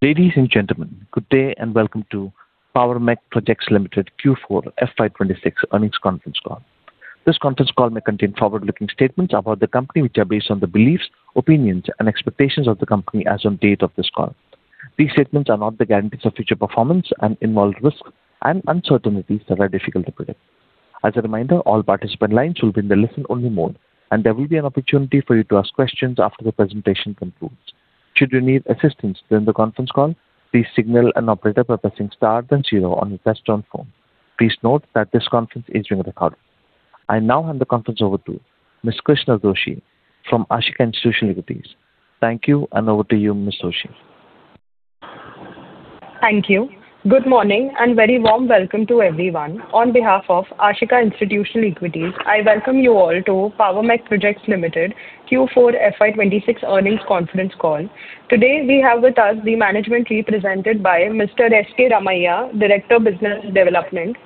Ladies and gentlemen, good day and welcome to Power Mech Projects Limited Q4 FY 2026 earnings conference call. This conference call may contain forward-looking statements about the company, which are based on the beliefs, opinions, and expectations of the company as on date of this call. These statements are not the guarantees of future performance and involve risks and uncertainties that are difficult to predict. As a reminder, all participant lines will be in the listen-only mode, and there will be an opportunity for you to ask questions after the presentation concludes. Should you need assistance during the conference call, please signal an operator by pressing star then zero on your touch-tone phone. Please note that this conference is being recorded. I now hand the conference over to Ms. Krishna Doshi from Ashika Institutional Equities. Thank you, and over to you, Ms. Doshi. Thank you. Good morning, and very warm welcome to everyone. On behalf of Ashika Institutional Equities, I welcome you all to Power Mech Projects Limited Q4 FY 2026 earnings conference call. Today, we have with us the management represented by Mr. S.K. Ramaiah, Director, Business Development;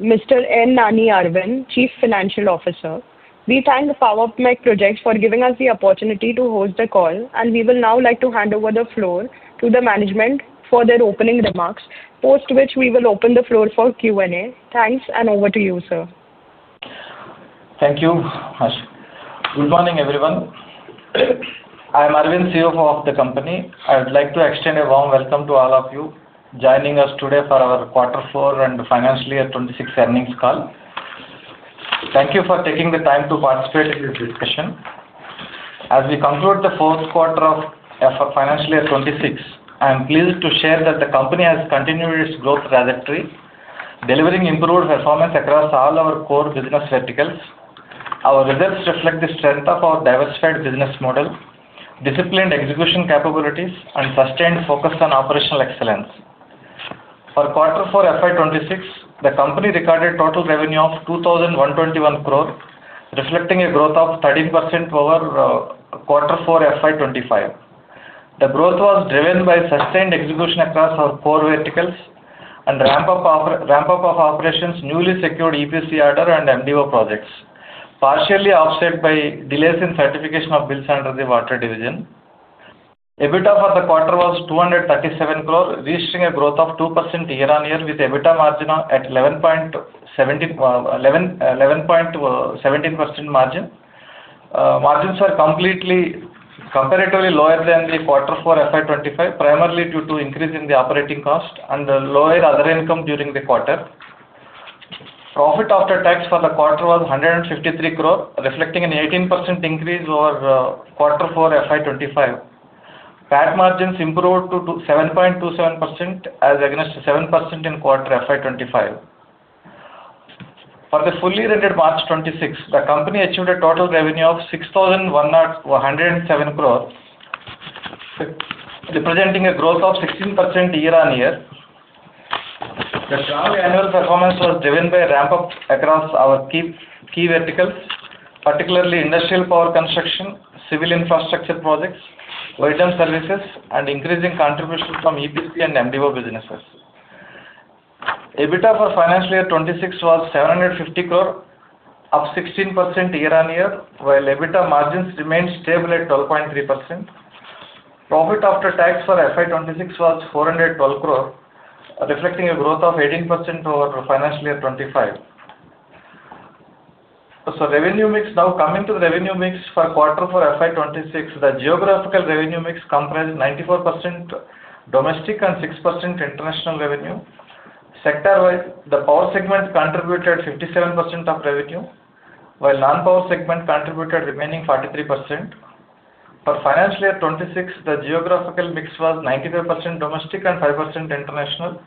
Mr. N. Nani Aravind, Chief Financial Officer. We thank Power Mech Projects for giving us the opportunity to host the call. We will now like to hand over the floor to the management for their opening remarks, post which we will open the floor for Q&A. Thanks. Over to you, sir. Thank you. Good morning, everyone. I'm Aravind, CFO of the company. I would like to extend a warm welcome to all of you joining us today for our quarter four and financial year 2026 earnings call. Thank you for taking the time to participate in this discussion. As we conclude the fourth quarter of financial year 2026, I am pleased to share that the company has continued its growth trajectory, delivering improved performance across all our core business verticals. Our results reflect the strength of our diversified business model, disciplined execution capabilities, and sustained focus on operational excellence. For quarter four FY 2026, the company recorded total revenue of 2,121 crore, reflecting a growth of 13% over quarter four FY 2025. The growth was driven by sustained execution across our core verticals and ramp-up of operations, newly secured EPC order, and MDO projects, partially offset by delays in certification of bills under the water division. EBITDA for the quarter was 237 crore, registering a growth of 2% year-on-year with EBITDA margin at 11.17% margin. Margins are completely comparatively lower than the quarter four FY 2025, primarily due to increase in the operating cost and lower other income during the quarter. Profit after tax for the quarter was 153 crore, reflecting an 18% increase over quarter four FY 2025. PAT margins improved to 7.27% as against 7% in quarter FY 2025. For the full year ended March 2026, the company achieved a total revenue of 6,107 crore, representing a growth of 16% year-on-year. The strong annual performance was driven by ramp-up across our key verticals, particularly industrial power construction, civil infrastructure projects, O&M services, and increasing contribution from EPC and MDO businesses. EBITDA for financial year 2026 was 750 crore, up 16% year-on-year, while EBITDA margins remained stable at 12.3%. Profit after tax for FY 2026 was 412 crore, reflecting a growth of 18% over financial year 2025. Now coming to the revenue mix for quarter four FY 2026. The geographical revenue mix comprised 94% domestic and 6% international revenue. Sector-wise, the power segment contributed 57% of revenue, while non-power segment contributed remaining 43%. For financial year 2026, the geographical mix was 95% domestic and 5% international.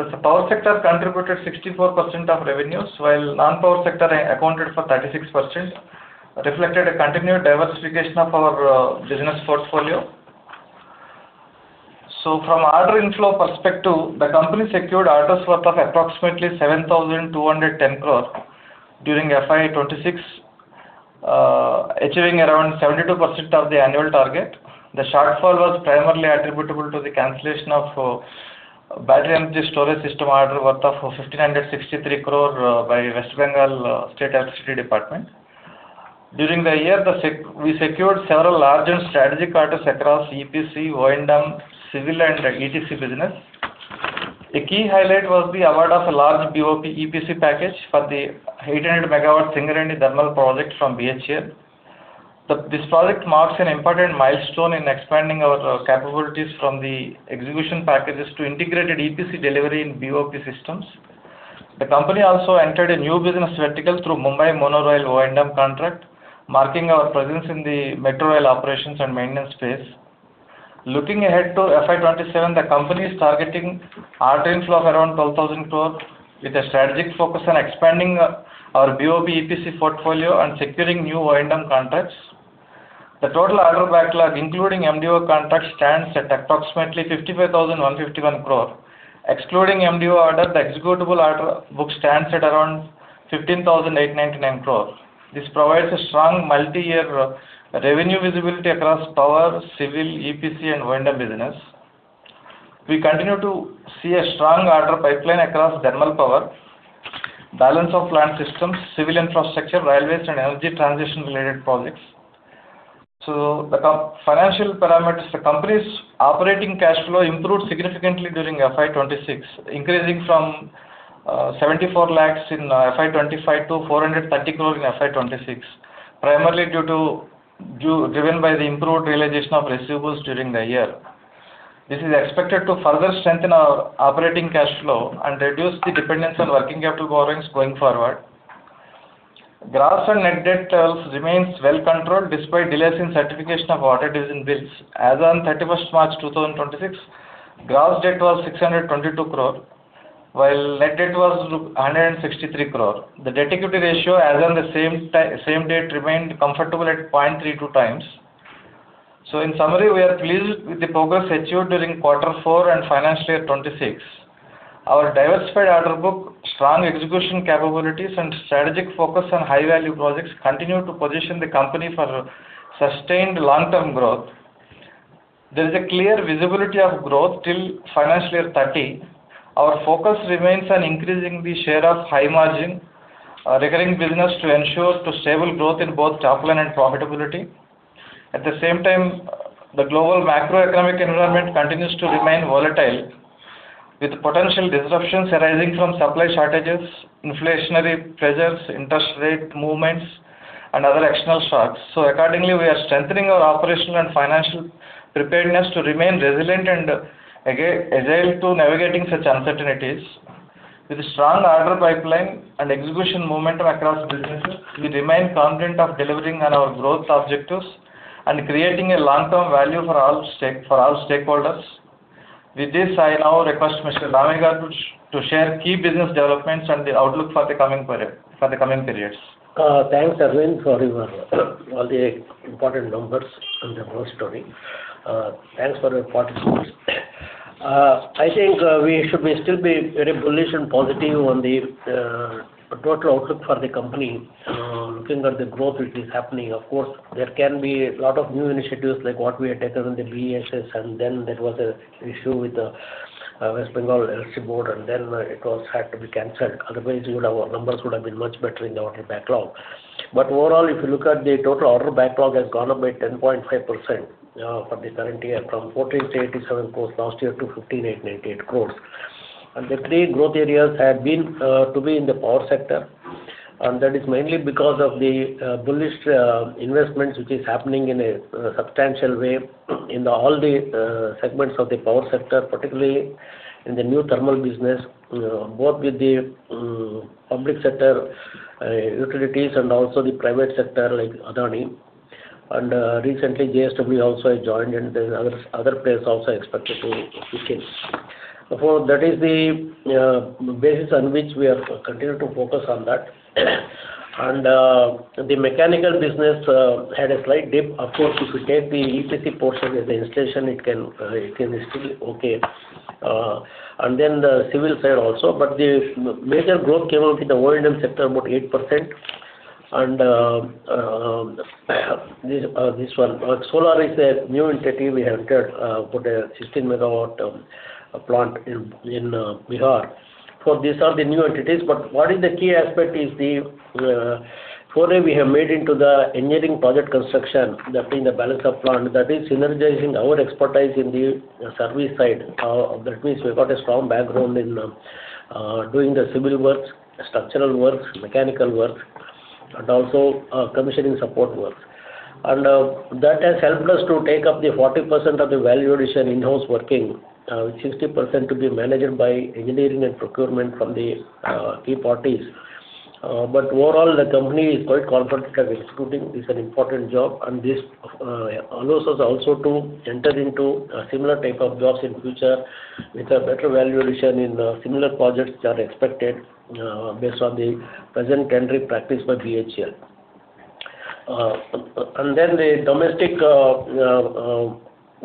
The power sector contributed 64% of revenues, while non-power sector accounted for 36%, reflected a continued diversification of our business portfolio. From order inflow perspective, the company secured orders worth of approximately 7,210 crore during FY 2026, achieving around 72% of the annual target. The shortfall was primarily attributable to the cancellation of battery energy storage system order worth of 1,563 crore by West Bengal State Electricity Distribution Company Limited. During the year, we secured several large and strategic orders across EPC, O&M, civil, and ETC business. A key highlight was the award of a large BOP EPC package for the 800 MW Singareni thermal project from BHEL. This project marks an important milestone in expanding our capabilities from the execution packages to integrated EPC delivery in BOP systems. The company also entered a new business vertical through Mumbai Monorail O&M contract, marking our presence in the metro rail operations and maintenance space. Looking ahead to FY 2027, the company is targeting order inflow of around 12,000 crore with a strategic focus on expanding our BOP EPC portfolio and securing new O&M contracts. The total order backlog, including MDO contracts, stands at approximately 55,151 crore. Excluding MDO order, the executable order book stands at around 15,899 crore. This provides a strong multi-year revenue visibility across power, civil, EPC, and O&M business. We continue to see a strong order pipeline across thermal power, Balance of plant systems, civil infrastructure, railways, and energy transition-related projects. The financial parameters. The company's operating cash flow improved significantly during FY 2026, increasing from 74 lakhs in FY 2025 to 430 crore in FY 2026, primarily driven by the improved realization of receivables during the year. This is expected to further strengthen our operating cash flow and reduce the dependence on working capital borrowings going forward. Gross and net debt remains well controlled despite delays in certification of audit as in bills. As on March 31, 2026, gross debt was ₹622 crore, while net debt was ₹163 crore. The debt equity ratio as on the same date remained comfortable at 0.32x. In summary, we are pleased with the progress achieved during quarter four and FY 2026. Our diversified order book, strong execution capabilities, and strategic focus on high-value projects continue to position the company for sustained long-term growth. There is a clear visibility of growth till FY 2030. Our focus remains on increasing the share of high-margin, recurring business to ensure sustainable growth in both topline and profitability. At the same time, the global macroeconomic environment continues to remain volatile, with potential disruptions arising from supply shortages, inflationary pressures, interest rate movements, and other external shocks. Accordingly, we are strengthening our operational and financial preparedness to remain resilient and agile to navigating such uncertainties. With a strong order pipeline and execution momentum across businesses, we remain confident of delivering on our growth objectives and creating a long-term value for all stakeholders. With this, I now request [Mr. Ramaiah] to share key business developments and the outlook for the coming periods. Thanks, Aravind, for all the important numbers and the growth story. Thanks for your participation. I think we should still be very bullish and positive on the total outlook for the company. Looking at the growth which is happening, of course, there can be a lot of new initiatives, like what we had taken on the BESS, and then there was an issue with the West Bengal Electricity Board, and then it had to be canceled. Otherwise, our numbers would have been much better in the order backlog. Overall, if you look at the total order backlog, it has gone up by 10.5% for the current year, from 14,887 crore last year to 15,898 crore. The three growth areas have been to be in the power sector, and that is mainly because of the bullish investments which is happening in a substantial way in all the segments of the power sector, particularly in the new thermal business, both with the public sector utilities and also the private sector, like Adani. Recently, JSW also joined; other players also expected to kick in. Therefore, that is the basis on which we have continued to focus on that. The mechanical business had a slight dip. Of course, if you take the EPC portion with the installation, it can be still okay. The civil side also. The major growth came out in the O&M sector, about 8%. This one, solar, is a new entity we have entered, put a 16 MW plant in Bihar. These are the new entities. What is the key aspect is the foray we have made into the engineering project construction, that being the balance of plant. That is synergizing our expertise in the service side. That means we've got a strong background in doing the civil works, structural works, mechanical works, and also commissioning support works. That has helped us to take up the 40% of the value addition in-house working, with 60% to be managed by engineering and procurement from the key parties. Overall, the company is quite confident of executing this important job, and this allows us also to enter into similar type of jobs in future with a better value addition in similar projects, which are expected based on the present tender practice by BHEL. The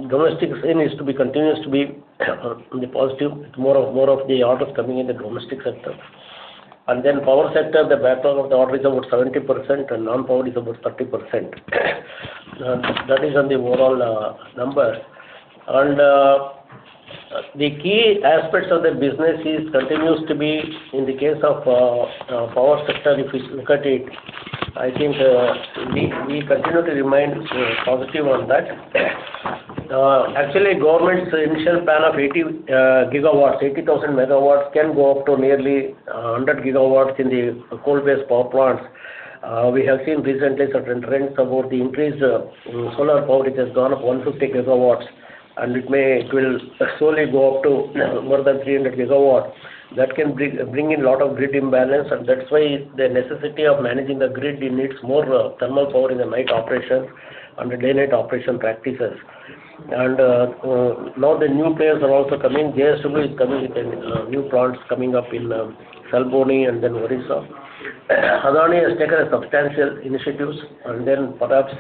domestic scene continues to be on the positive, with more of the orders coming in the domestic sector. Then power sector, the backlog of the order is about 70%, and non-power is about 30%. That is on the overall number. The key aspects of the business continues to be in the case of power sector, if you look at it, I think we continue to remain positive on that. Actually, government's initial plan of 80 GW, 80,000 MW, can go up to nearly 100 GW in the coal-based power plants. We have seen recently certain trends about the increased solar power, which has gone up 150 GW, and it will slowly go up to more than 300 GW. That can bring in a lot of grid imbalance, and that's why the necessity of managing the grid needs more thermal power in the night operation under day-night operation practices. Now the new players are also coming. JSW is coming with new plants coming up in Salboni and then Orissa. Adani has taken substantial initiatives, and then perhaps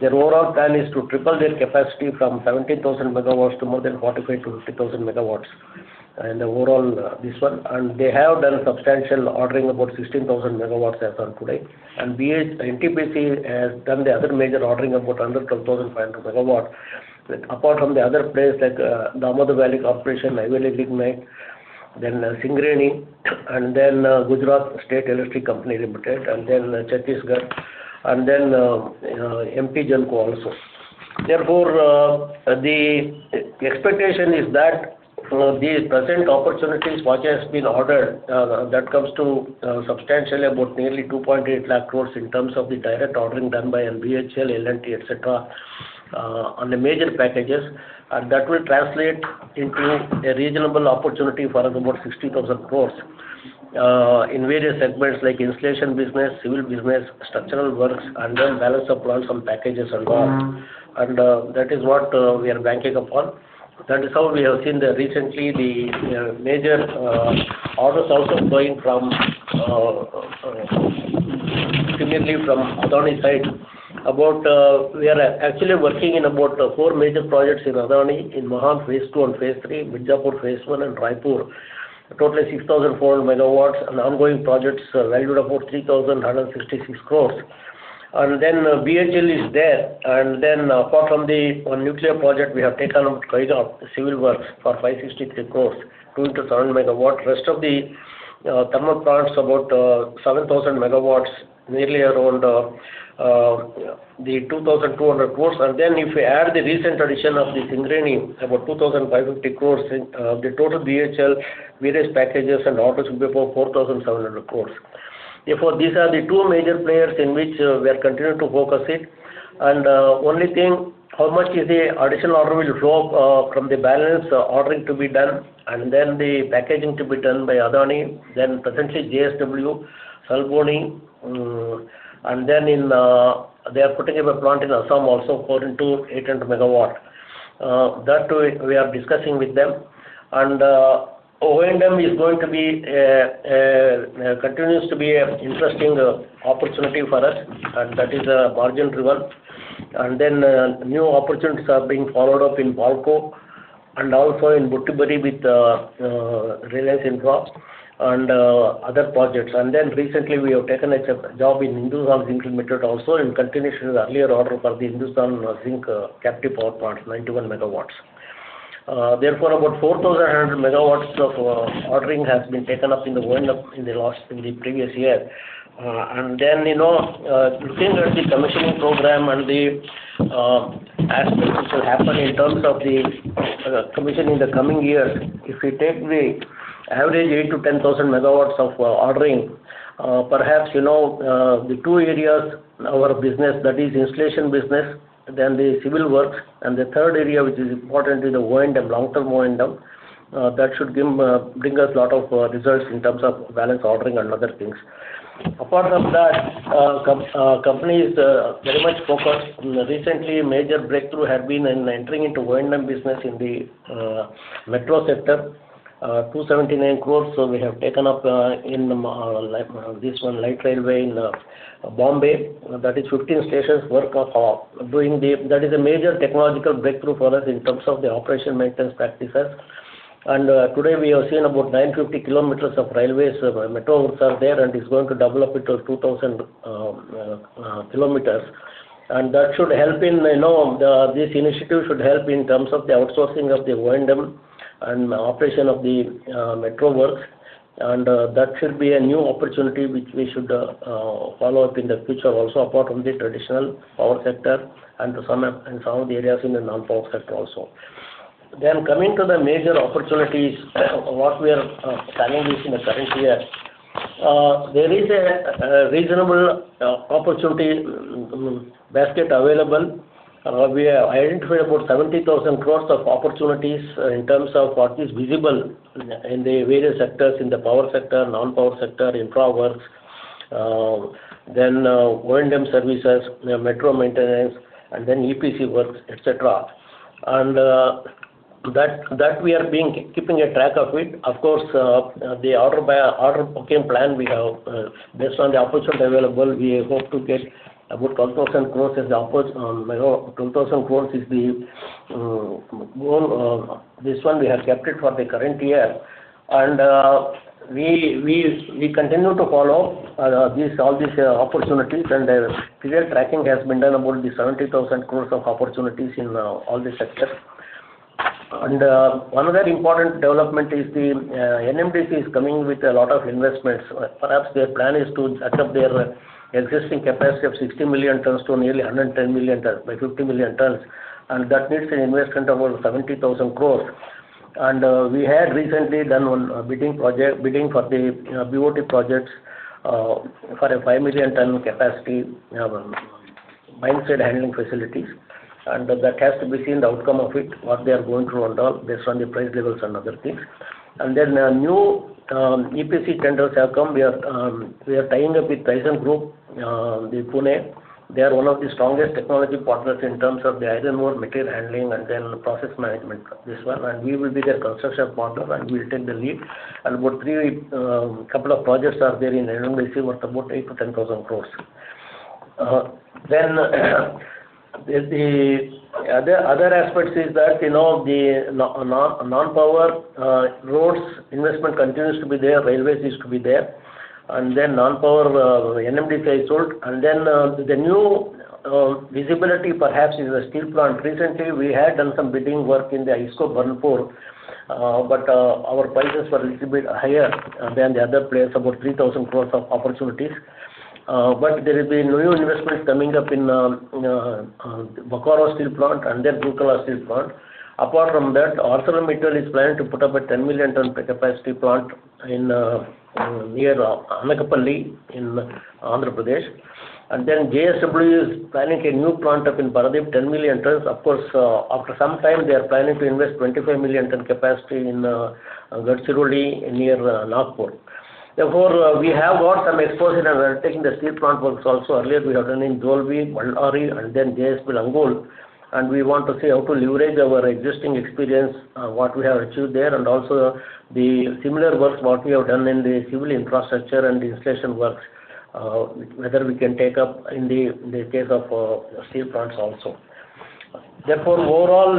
their overall plan is to triple their capacity from 17,000 MW to more than 45,000-50,000 MW in the overall this one. They have done substantial ordering, about 16,000 MW as on today. NTPC has done the other major ordering, about 112,500 MW. Apart from the other players like Damodar Valley Corporation, then Singareni, and then Gujarat State Electricity Corporation Limited, and then Chhattisgarh, and then MP Genco also. The expectation is that the present opportunities, what has been ordered, that comes to substantially about nearly 2.8 lakh crore in terms of the direct ordering done by BHEL, L&T, et cetera, on the major packages. That will translate into a reasonable opportunity for about 60,000 crore in various segments like insulation business, civil business, structural works, then balance of plants on packages and all. That is what we are banking upon. That is how we have seen recently the major orders also going from similarly from Adani side. We are actually working in about four major projects in Adani, in Mahan Phase 2 and Phase 3, Mirzapur Phase 1 and Raipur. A total of 6,400 MW and ongoing projects valued about 3,166 crore. Then BHEL is there. Apart from the nuclear project, we have taken up civil works for 563 crore, 2,700 MW. Rest of the thermal power plants, about 7,000 MW, nearly around the 2,200 crore. If we add the recent addition of the Singareni, about 2,550 crore, the total BHEL various packages and orders will be about 4,700 crore. Therefore, these are the two major players in which we are continuing to focus it. Only thing, how much is the additional order will flow from the balance ordering to be done, and then the packaging to be done by Adani, then potentially JSW, Salboni, and then they are putting up a plant in Assam also, 4x800 MW. That we are discussing with them. O&M continues to be an interesting opportunity for us, and that is margin-driven. New opportunities are being followed up in BALCO and also in Butibori with Reliance Infra and other projects. Recently, we have taken a job in Hindustan Zinc Limited also in continuation with earlier order for the Hindustan Zinc captive power plant, 91 MW. Therefore, about 4,100 MW of ordering has been taken up in the O&M in the previous year. Looking at the commissioning program and the aspects which will happen in terms of the commissioning in the coming years, if we take the average 8,000 MW-10,000 MW of ordering, perhaps, the two areas our business, that is insulation business, then the civil works, and the third area which is important is the O&M, long-term O&M. That should bring us lot of results in terms of balance ordering and other things. Apart from that, company is very much focused. Recently, a major breakthrough has been in entering into O&M business in the metro sector, 279 crores. We have taken up this one light railway in Mumbai, that is 15 stations work. That is a major technological breakthrough for us in terms of the operation maintenance practices. Today we have seen about 950 km of railways, metro routes are there, and it's going to double up to 2,000 km. This initiative should help in terms of the outsourcing of the O&M and operation of the metro works. That should be a new opportunity which we should follow up in the future also, apart from the traditional power sector and some of the areas in the non-power sector also. Coming to the major opportunities, what we are planning in the current year, there is a reasonable opportunity basket available. We have identified about 70,000 crore of opportunities in terms of what is visible in the various sectors, in the power sector, non-power sector, infra works, then O&M services, metro maintenance, and then EPC works, et cetera. That we are keeping a track of it. Of course, the order booking plan we have, based on the opportunity available, we hope to get about 12,000 crore is the goal. This one, we have kept it for the current year. We continue to follow all these opportunities, and clear tracking has been done about the 70,000 crore of opportunities in all the sectors. Another important development is the NMDC is coming with a lot of investments. Perhaps their plan is to jack up their existing capacity of 60 million tons to nearly 110 million tons, by 50 million tons. That needs an investment of about 70,000 crore. We had recently done one bidding for the BOT projects, for a 5 million ton capacity mine site handling facilities. That has to be seen, the outcome of it, what they are going through and all, based on the price levels and other things. New EPC tenders have come. We are tying up with thyssenkrupp, Pune. They are one of the strongest technology partners in terms of the iron ore material handling and then process management for this one. We will be their construction partner, and we'll take the lead. About two projects are there in NMDC, worth about INR 8,000-INR 10,000 crore. The other aspects is that the non-power roads investment continues to be there, railways is to be there. Non-power is sold. The new visibility perhaps is the steel plant. Recently, we had done some bidding work in the IISCO Burnpur, our prices were a little bit higher than the other players, about 3,000 crore of opportunities. There will be new investments coming up in Bokaro Steel Plant and then Rourkela Steel Plant. Apart from that, ArcelorMittal is planning to put up a 10 million ton capacity plant near Anakapalli in Andhra Pradesh. JSW is planning a new plant up in Paradip, 10 million tons. Of course, after some time, they are planning to invest 25 million ton capacity in Gadchiroli near Nagpur. Therefore, we have got some exposure. We are taking the steel plant works also. Earlier, we have done in Dolvi, Ballari, then JSP Angul, and we want to see how to leverage our existing experience, what we have achieved there, also the similar works, what we have done in the civil infrastructure and the installation works, whether we can take up in the case of steel plants also. Therefore, overall,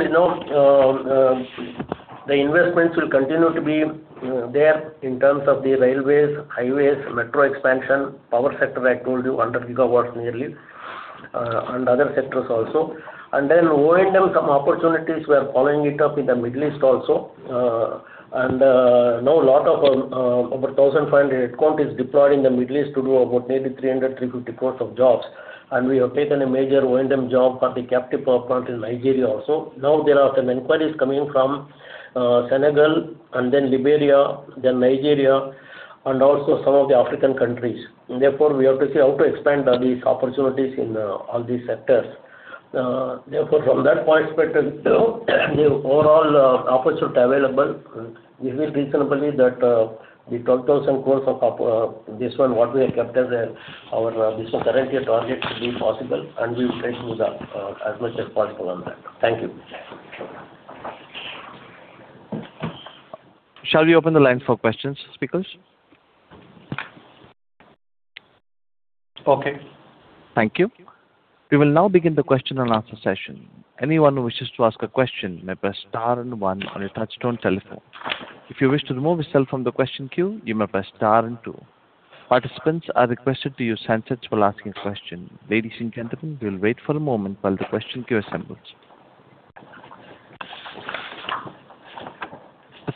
the investments will continue to be there in terms of the railways, highways, metro expansion, power sector, I told you, 100 GW nearly, and other sectors also. O&M, some opportunities we are following it up in the Middle East also. Now a lot of our, over 1,500 headcount is deployed in the Middle East to do about nearly 300 crore-350 crore of jobs. We have taken a major O&M job for the captive power plant in Nigeria also. Now there are some inquiries coming from Senegal, and then Liberia, then Nigeria, and also some of the African countries. Therefore, we have to see how to expand these opportunities in all these sectors. Therefore, from that point perspective, the overall opportunity available is reasonably that the 12,000 crores of this one, what we have kept as our business current year target will be possible, and we will try to do as much as possible on that. Thank you. Shall we open the line for questions, speakers? Okay. Thank you. We will now begin the question and answer session. The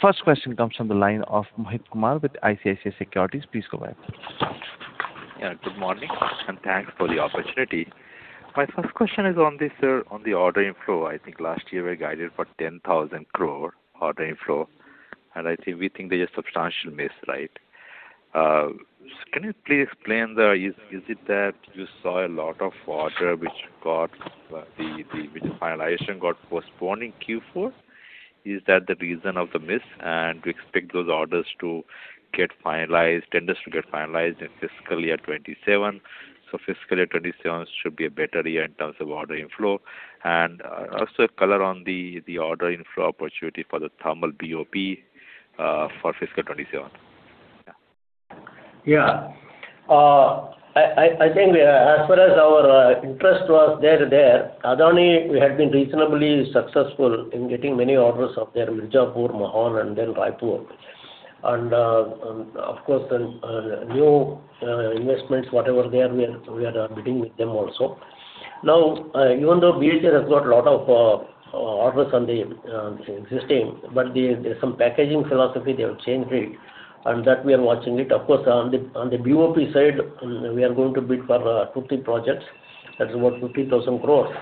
first question comes from the line of Mohit Kumar with ICICI Securities. Please go ahead. Yeah. Good morning, and thanks for the opportunity. My first question is on the order inflow. I think last year we guided for 10,000 crore order inflow. We think there's a substantial miss, right? Can you please explain, is it that you saw a lot of order which got the finalization got postponed in Q4? Is that the reason of the miss? Do you expect those tenders to get finalized in FY 2027? FY 2027 should be a better year in terms of order inflow. Also color on the order inflow opportunity for the thermal BOP for fiscal 2027. Yeah. I think as far as our interest was there, Adani, we had been reasonably successful in getting many orders of their Mirzapur, Mahan, and then Raipur. Of course, then new investments, whatever they are, we are bidding with them also. Now, even though BHEL has got a lot of orders on the existing, but there's some packaging philosophy they have changed it, and that we are watching it. Of course, on the BOP side, we are going to bid for two, three projects. That's about 50,000 crore.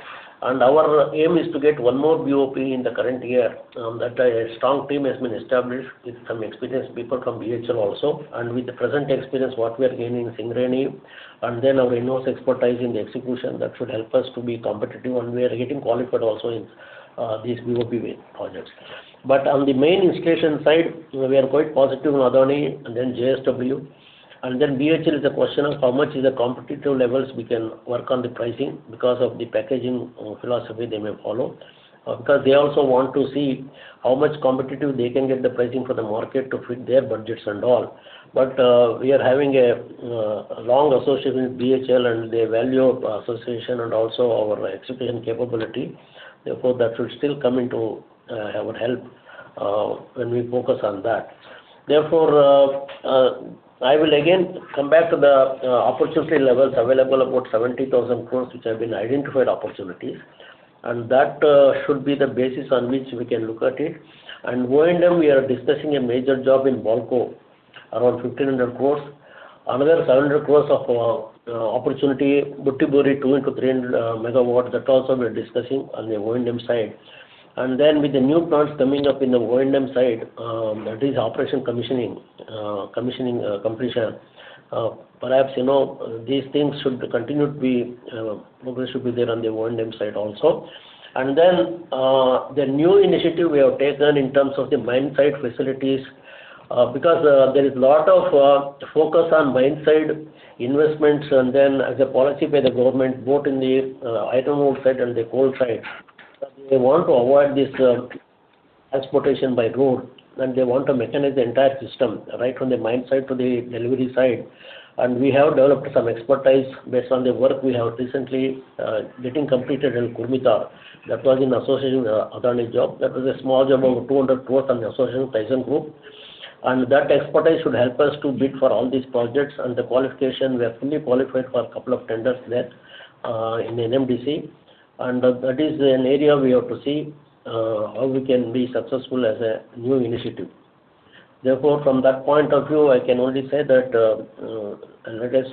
Our aim is to get one more BOP in the current year. A strong team has been established with some experienced people from BHEL also, and with the present experience, what we are gaining in Singareni, and then our enormous expertise in the execution, that should help us to be competitive, and we are getting qualified also in these BOP projects. On the main installation side, we are quite positive on Adani and then JSW. BHEL is a question of how much is the competitive levels we can work on the pricing because of the packaging philosophy they may follow. They also want to see how much competitive they can get the pricing for the market to fit their budgets and all. We are having a long association with BHEL, and they value our association and also our execution capability. Therefore, that should still come into our help when we focus on that. I will again come back to the opportunity levels available, about 70,000 crore, which have been identified opportunities, that should be the basis on which we can look at it. O&M, we are discussing a major job in BALCO, around 1,500 crore. Another 700 crore of opportunity, Butibori, two into 300 MW, that also we are discussing on the O&M side. With the new plants coming up in the O&M side, that is operation commissioning completion. Perhaps these things should continue to be progress should be there on the O&M side also. The new initiative we have taken in terms of the mine site facilities, because there is lot of focus on mine site investments and then as a policy by the government, both in the iron ore site and the coal site, they want to avoid this transportation by road, and they want to mechanize the entire system, right from the mine site to the delivery site. We have developed some expertise based on the work we have recently getting completed in Akrimota. That was in association with Adani job. That was a small job of 200 crore on the association with thyssenkrupp Industries India. That expertise should help us to bid for all these projects. The qualification, we have fully qualified for a couple of tenders there in NMDC, and that is an area we have to see how we can be successful as a new initiative. From that point of view, I can only say that, let us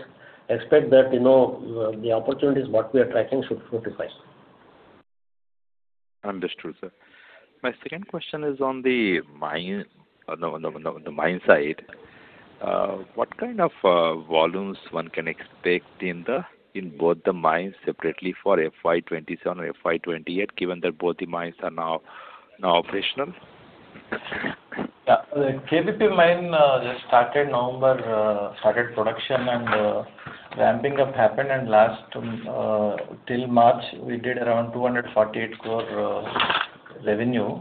expect that the opportunities, what we are tracking should fructify. Understood, sir. My second question is on the mine side. What kind of volumes one can expect in both the mines separately for FY 2027 or FY 2028, given that both the mines are now operational? Yeah. The KBP mine just started November, started production, and ramping up happened in last. Till March, we did around 248 crore revenue.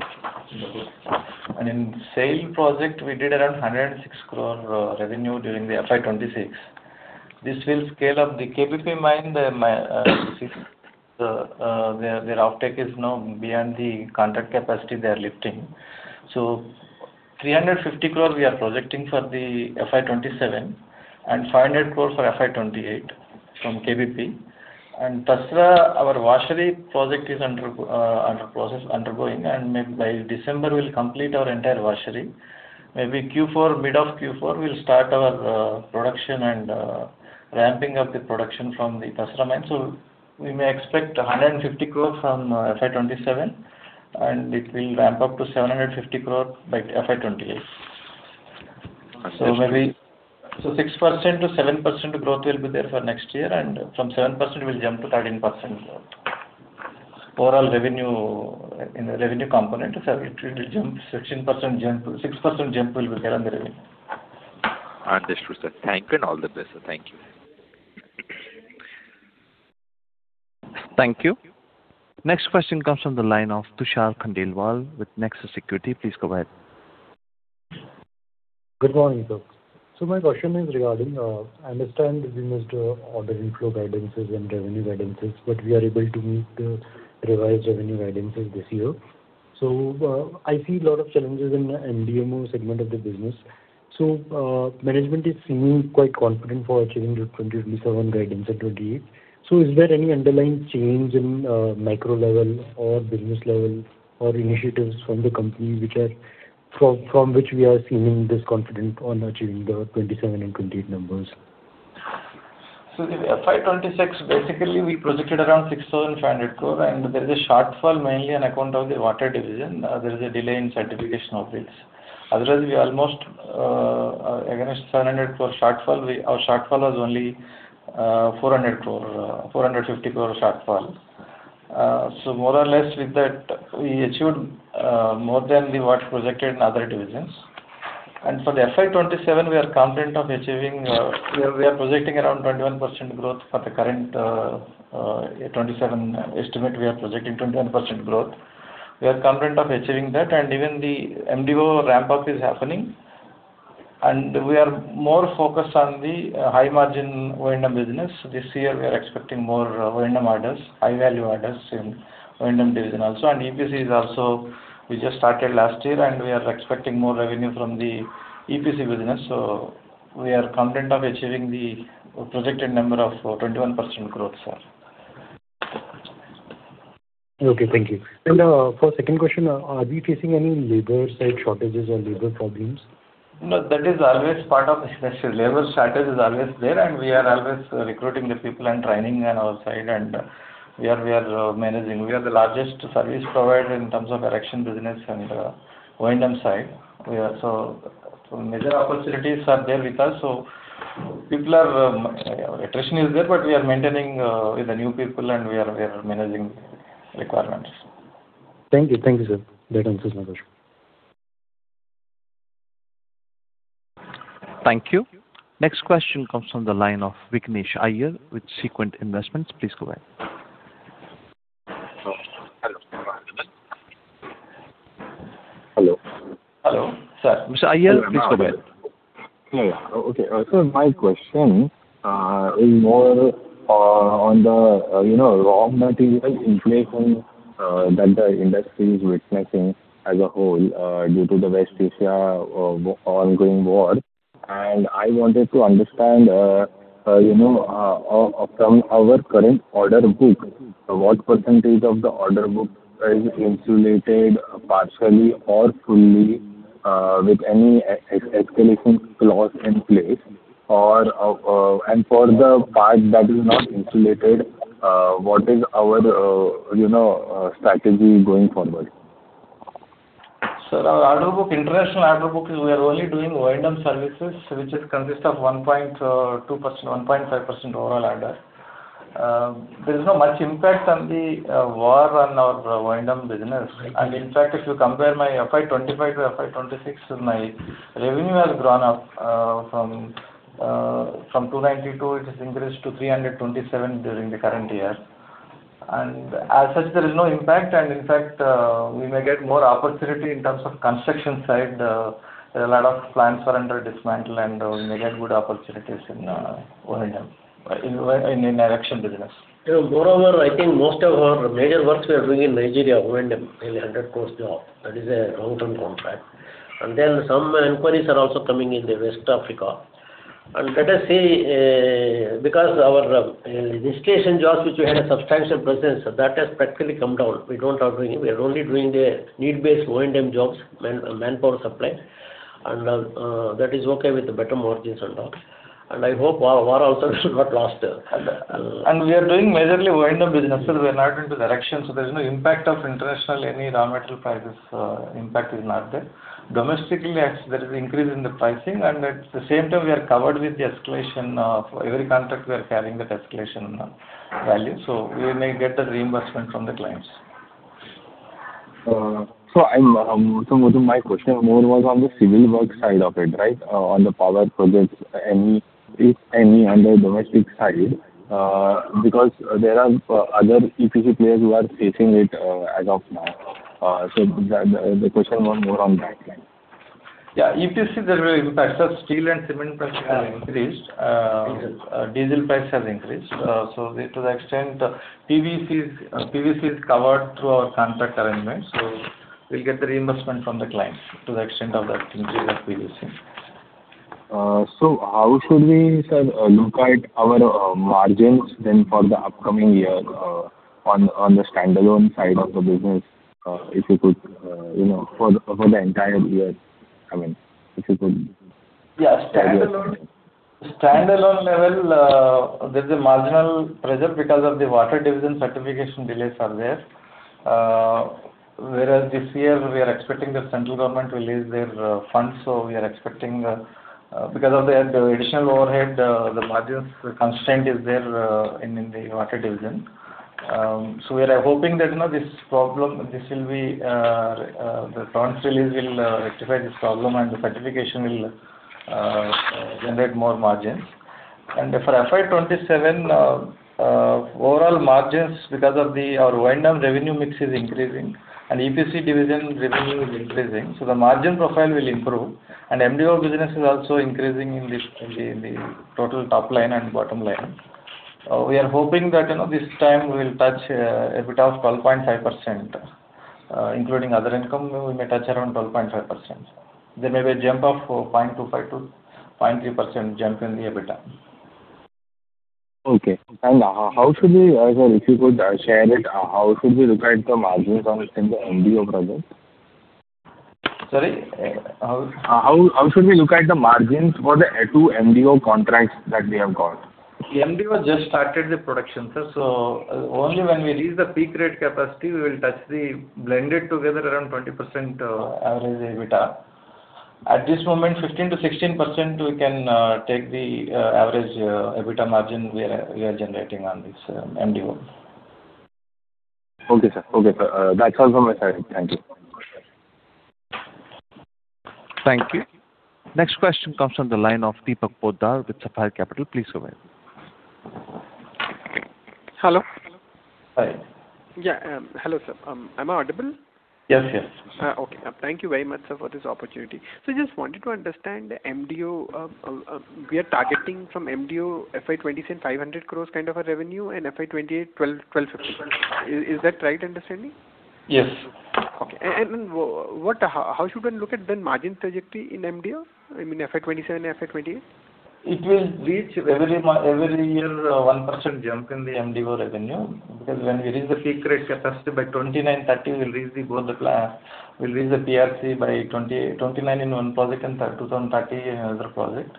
In SAIL project, we did around 106 crore revenue during the FY 2026. This will scale up. The KBP mine, their offtake is now beyond the contract capacity they are lifting. 350 crore we are projecting for the FY 2027 and 500 crore for FY 2028 from KBP. Tasra, our washery project is undergoing, and maybe by December we'll complete our entire washery. Maybe Q4, mid of Q4, we'll start our production and ramping up the production from the Tasra mine. We may expect 150 crore from FY 2027, and it will ramp up to 750 crore by FY 2028. Understood. 6%-7% growth will be there for next year. From 7% we'll jump to 13% overall revenue in the revenue component. It will jump 16%, 6% jump will be there on the revenue. Understood, sir. Thank you and all the best. Thank you. Thank you. Next question comes from the line of [Tushar Khandelwal] with Nexus Equity. Please go ahead. Good morning, sir. My question is regarding, I understand we missed order inflow guidances and revenue guidances, but we are able to meet the revised revenue guidances this year. I see a lot of challenges in the MDO segment of the business. Management is seeming quite confident for achieving the 27 guidance at 28. Is there any underlying change in micro level or business level or initiatives from the company from which we are seeming this confident on achieving the 27 and 28 numbers? The FY 2026, basically, we projected around 6,500 crore, and there is a shortfall mainly on account of the water division. There is a delay in certification of it. Otherwise, we almost, against 700 crore shortfall, our shortfall was only 400 crore, 450 crore shortfall. More or less with that, we achieved more than we what projected in other divisions. For the FY 2027, we are confident of achieving. We are projecting around 21% growth for the current 2027 estimate. We are projecting 21% growth. We are confident of achieving that, and even the MDO ramp-up is happening, and we are more focused on the high-margin O&M business. This year, we are expecting more O&M orders, high-value orders in O&M division also. EPC is also, we just started last year, and we are expecting more revenue from the EPC business. We are confident of achieving the projected number of 21% growth, sir. Okay, thank you. For second question, are we facing any labor side shortages or labor problems? That is always part of labor shortage is always there, and we are always recruiting the people and training on our side. We are managing. We are the largest service provider in terms of erection business and O&M side. Major opportunities are there with us, so attrition is there, but we are maintaining with the new people and we are managing requirements. Thank you. Thank you, sir. That answers my question. Thank you. Next question comes from the line of Vignesh Iyer with Sequent Investments. Please go ahead. Hello. Hello. Hello. Sir. Mr. Iyer, please go ahead. Yeah. Okay. My question is more on the raw material inflation that the industry is witnessing as a whole due to the West Asia ongoing war. I wanted to understand from our current order book, what percentage of the order book is insulated partially or fully, with any escalation clause in place? For the part that is not insulated, what is our strategy going forward? Sir, our international order book, we are only doing O&M services, which consist of 1.2%, 1.5% overall order. There is no much impact on the war on our O&M business. In fact, if you compare my FY 2025 to FY 2026, my revenue has gone up from 292 it has increased to 327 during the current year. As such, there is no impact. In fact, we may get more opportunity in terms of construction side. There are a lot of plants were under dismantle. We may get good opportunities in O&M, in erection business. Moreover, I think most of our major works we are doing in Nigeria, O&M, nearly 100 crores job. That is a long-term contract. Some inquiries are also coming in the West Africa. Let us say, because our erection jobs, which we had a substantial presence, that has practically come down. We are only doing the need-based O&M jobs, manpower supply, and that is okay with the bottom margins and all. I hope war also should not last. We are doing majorly O&M businesses. We are not into the erection, so there is no impact of international, any raw material prices impact is not there. Domestically, there is increase in the pricing, and at the same time, we are covered with the escalation of every contract we are carrying that escalation value. We may get the reimbursement from the clients. My question more was on the civil work side of it, on the power projects, if any, on the domestic side. There are other EPC players who are facing it as of now. The question was more on that line. Yeah. EPC, there were impacts of steel and cement prices have increased. Diesel price has increased. To the extent PVC is covered through our contract arrangement, so we'll get the reimbursement from the client to the extent of that increase of PVC. How should we, sir, look at our margins then for the upcoming year on the standalone side of the business, if you could, for the entire year? Yeah. Standalone level, there's a marginal pressure because of the water division certification delays are there. Whereas this year, we are expecting the central government to release their funds. We are expecting, because of the additional overhead, the margins constraint is there in the water division. We are hoping that this problem, the funds release, will rectify this problem, and the certification will generate more margins. For FY 2027, overall margins because of our O&M revenue mix is increasing, and EPC division revenue is increasing, so the margin profile will improve. MDO business is also increasing in the total top line and bottom line. We are hoping that this time we'll touch EBITDA of 12.5%, including other income, we may touch around 12.5%. There may be a jump of 0.25%-0.3% jump in the EBITDA. Okay. How should we, sir, if you could share it, how should we look at the margins on the MDO project? Sorry? How should we look at the margins for the two MDO contracts that we have got? MDO just started the production, sir. Only when we reach the peak rate capacity, we will touch the blended together around 20% average EBITDA. At this moment, 15%-16%, we can take the average EBITDA margin we are generating on this MDO. Okay, sir. That's all from my side. Thank you. Thank you. Next question comes from the line of Deepak Poddar with Sapphire Capital. Please go will weahead. Hello. Hi. Yeah. Hello, sir. Am I audible? Yes. Okay. Thank you very much, sir, for this opportunity. Just wanted to understand MDO. We are targeting from MDO FY 2027 500 crores kind of a revenue and FY 2028 12 crores, 15 crores. Is that right understanding? Yes. Okay. How should one look at then margin trajectory in MDO? In FY 2027, FY 2028? It will reach every year 1% jump in the MDO revenue, because when we reach the peak rate capacity by 2029, 2030, we'll reach the PRC by 2029 in one project and 2030 in another project.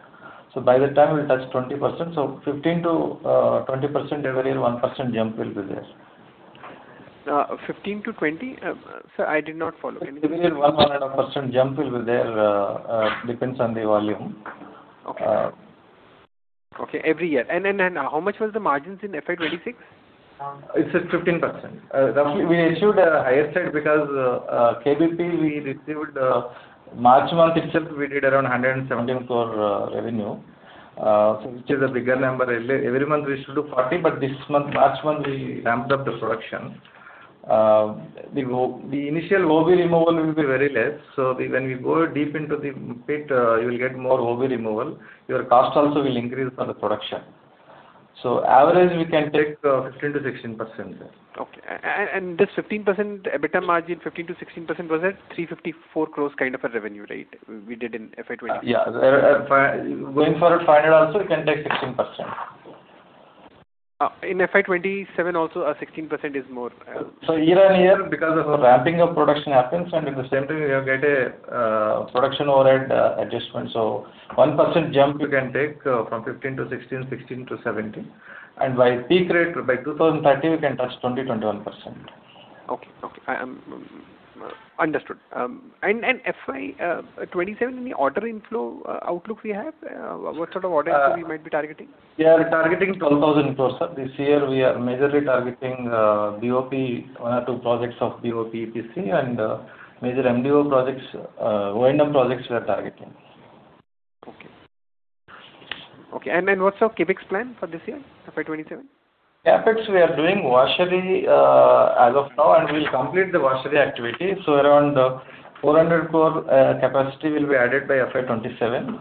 By the time we'll touch 20%. 15%-20% every year, 1% jump will be there. 15%-20%? Sir, I did not follow. Every year, 1.5% jump will be there, depends on the volume. Okay. Every year. How much was the margins in FY 2026? It's at 15%. We issued a higher side because KBP, we received March month itself, we did around 117 crore revenue, which is a bigger number. Every month we used to do 40, this month, March month, we ramped up the production. The initial ore body removal will be very less. When we go deep into the pit, you will get more ore body removal. Your cost also will increase for the production. Average, we can take 15%-16%. Okay. This 15% EBITDA margin, 15%-16% was it 354 crore kind of a revenue, we did in FY 2026? Yeah. Going forward 500 also. We can take 16%. In FY 2027 also, 16% is more. Year-on-year because of ramping of production happens, and at the same time, we have get a production overhead adjustment. 1% jump you can take from 15%-16%, 16%-17%, and by peak rate by 2030, we can touch 20%-21%. Okay. Understood. FY 2027, any order inflow outlook we have? What sort of order inflow we might be targeting? We are targeting 12,000 crore, sir. This year, we are majorly targeting BOP, one or two projects of BOP EPC, and major MDO projects, O&M projects we are targeting. Okay. What's our CapEx plan for this year, FY 2027? CapEx, we are doing washery as of now, and we'll complete the washery activity. Around 400 crore capacity will be added by FY 2027. In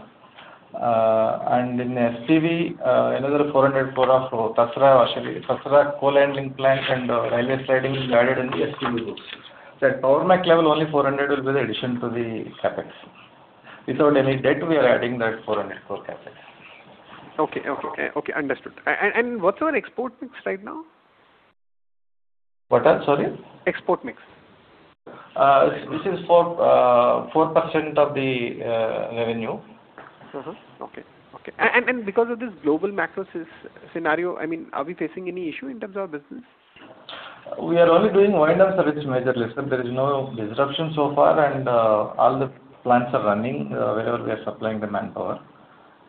SPV, another 400 crore of Tasra washery. Tasra coal handling plant and railway siding is added in the SPV books. The Power Mech level only 400 will be the addition to the CapEx. Without any debt, we are adding that 400 crore CapEx. Okay. Understood. What's our export mix right now? What, sorry? Export mix. This is 4% of the revenue. Okay. Because of this global macro scenario, are we facing any issue in terms of business? We are only doing wind farms, which majorly, sir, there is no disruption so far, and all the plants are running wherever we are supplying the manpower.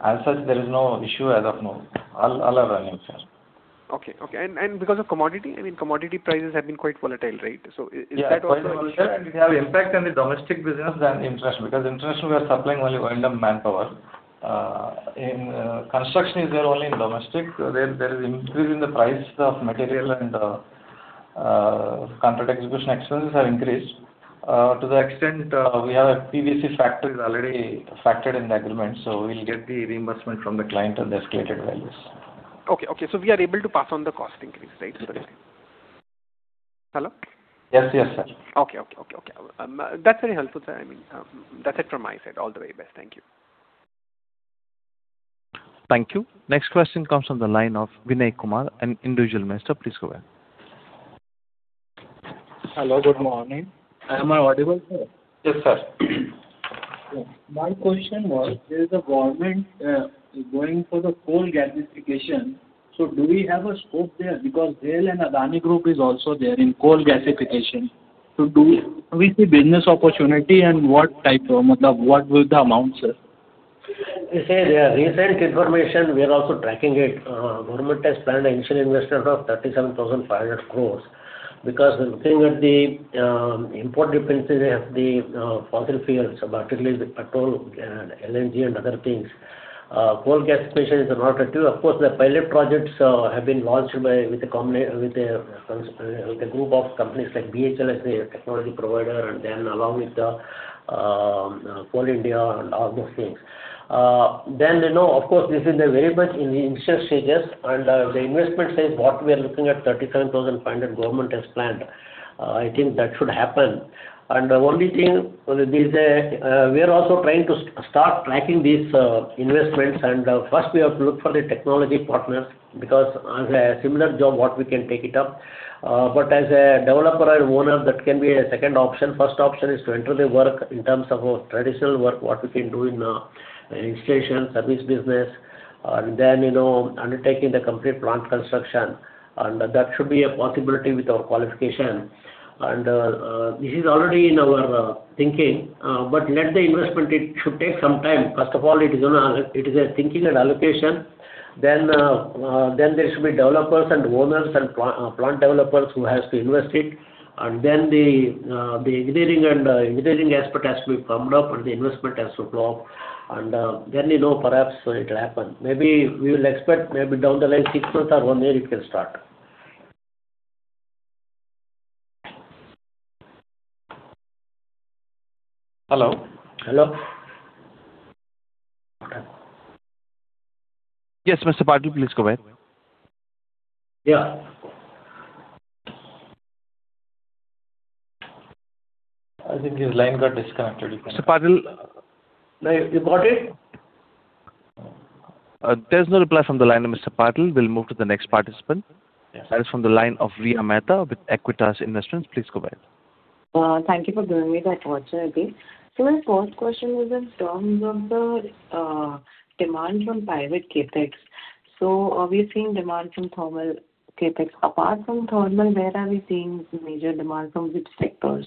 As such, there is no issue as of now. All are running, sir. Okay. Because of commodity prices have been quite volatile, right? Is that also an issue? Yeah. Quite volatile, it have impact on the domestic business than international, because international we are supplying only wind farm manpower. In construction is there only in domestic. There is increase in the price of material and contract execution expenses have increased. To the extent we have PVC factor is already factored in the agreement, we'll get the reimbursement from the client on the estimated values. Okay. We are able to pass on the cost increase, right? Yes. Hello? Yes. Okay. That's very helpful, sir. That's it from my side. All the very best. Thank you. Thank you. Next question comes from the line of Vinay Kumar, an individual investor. Sir, please go ahead. Hello, good morning. Am I audible, sir? Yes, sir. My question was, there is a government going for the coal gasification. Do we have a scope there? Because they and Adani Group is also there in coal gasification. Do we see business opportunity, and what would the amount, sir? This is recent information. We are also tracking it. Government has planned initial investment of 37,500 crore because we're looking at the import dependency of the fossil fuels, particularly the petrol, LNG, and other things. Coal gasification is an alternative. Of course, the pilot projects have been launched with a group of companies like BHEL as a technology provider, and then along with Coal India and all those things. Of course, this is very much in the initial stages, and the investment side, what we are looking at 37,500 government has planned. I think that should happen. Only thing, we are also trying to start tracking these investments, and first we have to look for the technology partners, because as a similar job, what we can take it up. As a developer and owner, that can be a second option. First option is to enter the work in terms of traditional work, what we can do in installation, service business, and then undertaking the complete plant construction. That should be a possibility with our qualification. This is already in our thinking. Let the investment, it should take some time. First of all, it is a thinking and allocation. There should be developers and owners and plant developers who has to invest it. The engineering aspect has to be firmed up, and the investment has to flow up. Perhaps it will happen. Maybe we will expect maybe down the line six months or one year it will start. Hello? Hello. Yes, Mr. Patil, please go ahead. Yeah. I think his line got disconnected. Mr. Patil? You got it? There's no reply from the line of Mr. Patil. We'll move to the next participant. That is from the line of Riya Mehta with Aequitas Investments. Please go ahead. Thank you for giving me that opportunity. My first question was in terms of the demand from private CapEx. Are we seeing demand from thermal CapEx? Apart from thermal, where are we seeing major demand, from which sectors?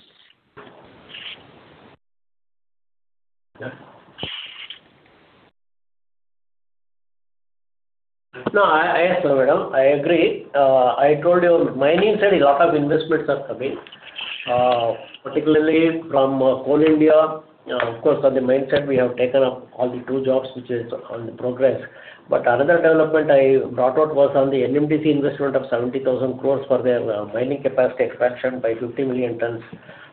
Yes, madam, I agree. I told you, mining side, a lot of investments are coming. Particularly from Coal India. Of course, on the mine side, we have taken up all the two jobs which is on progress. Another development I brought out was on the NMDC investment of 70,000 crore for their mining capacity expansion by 50 million tons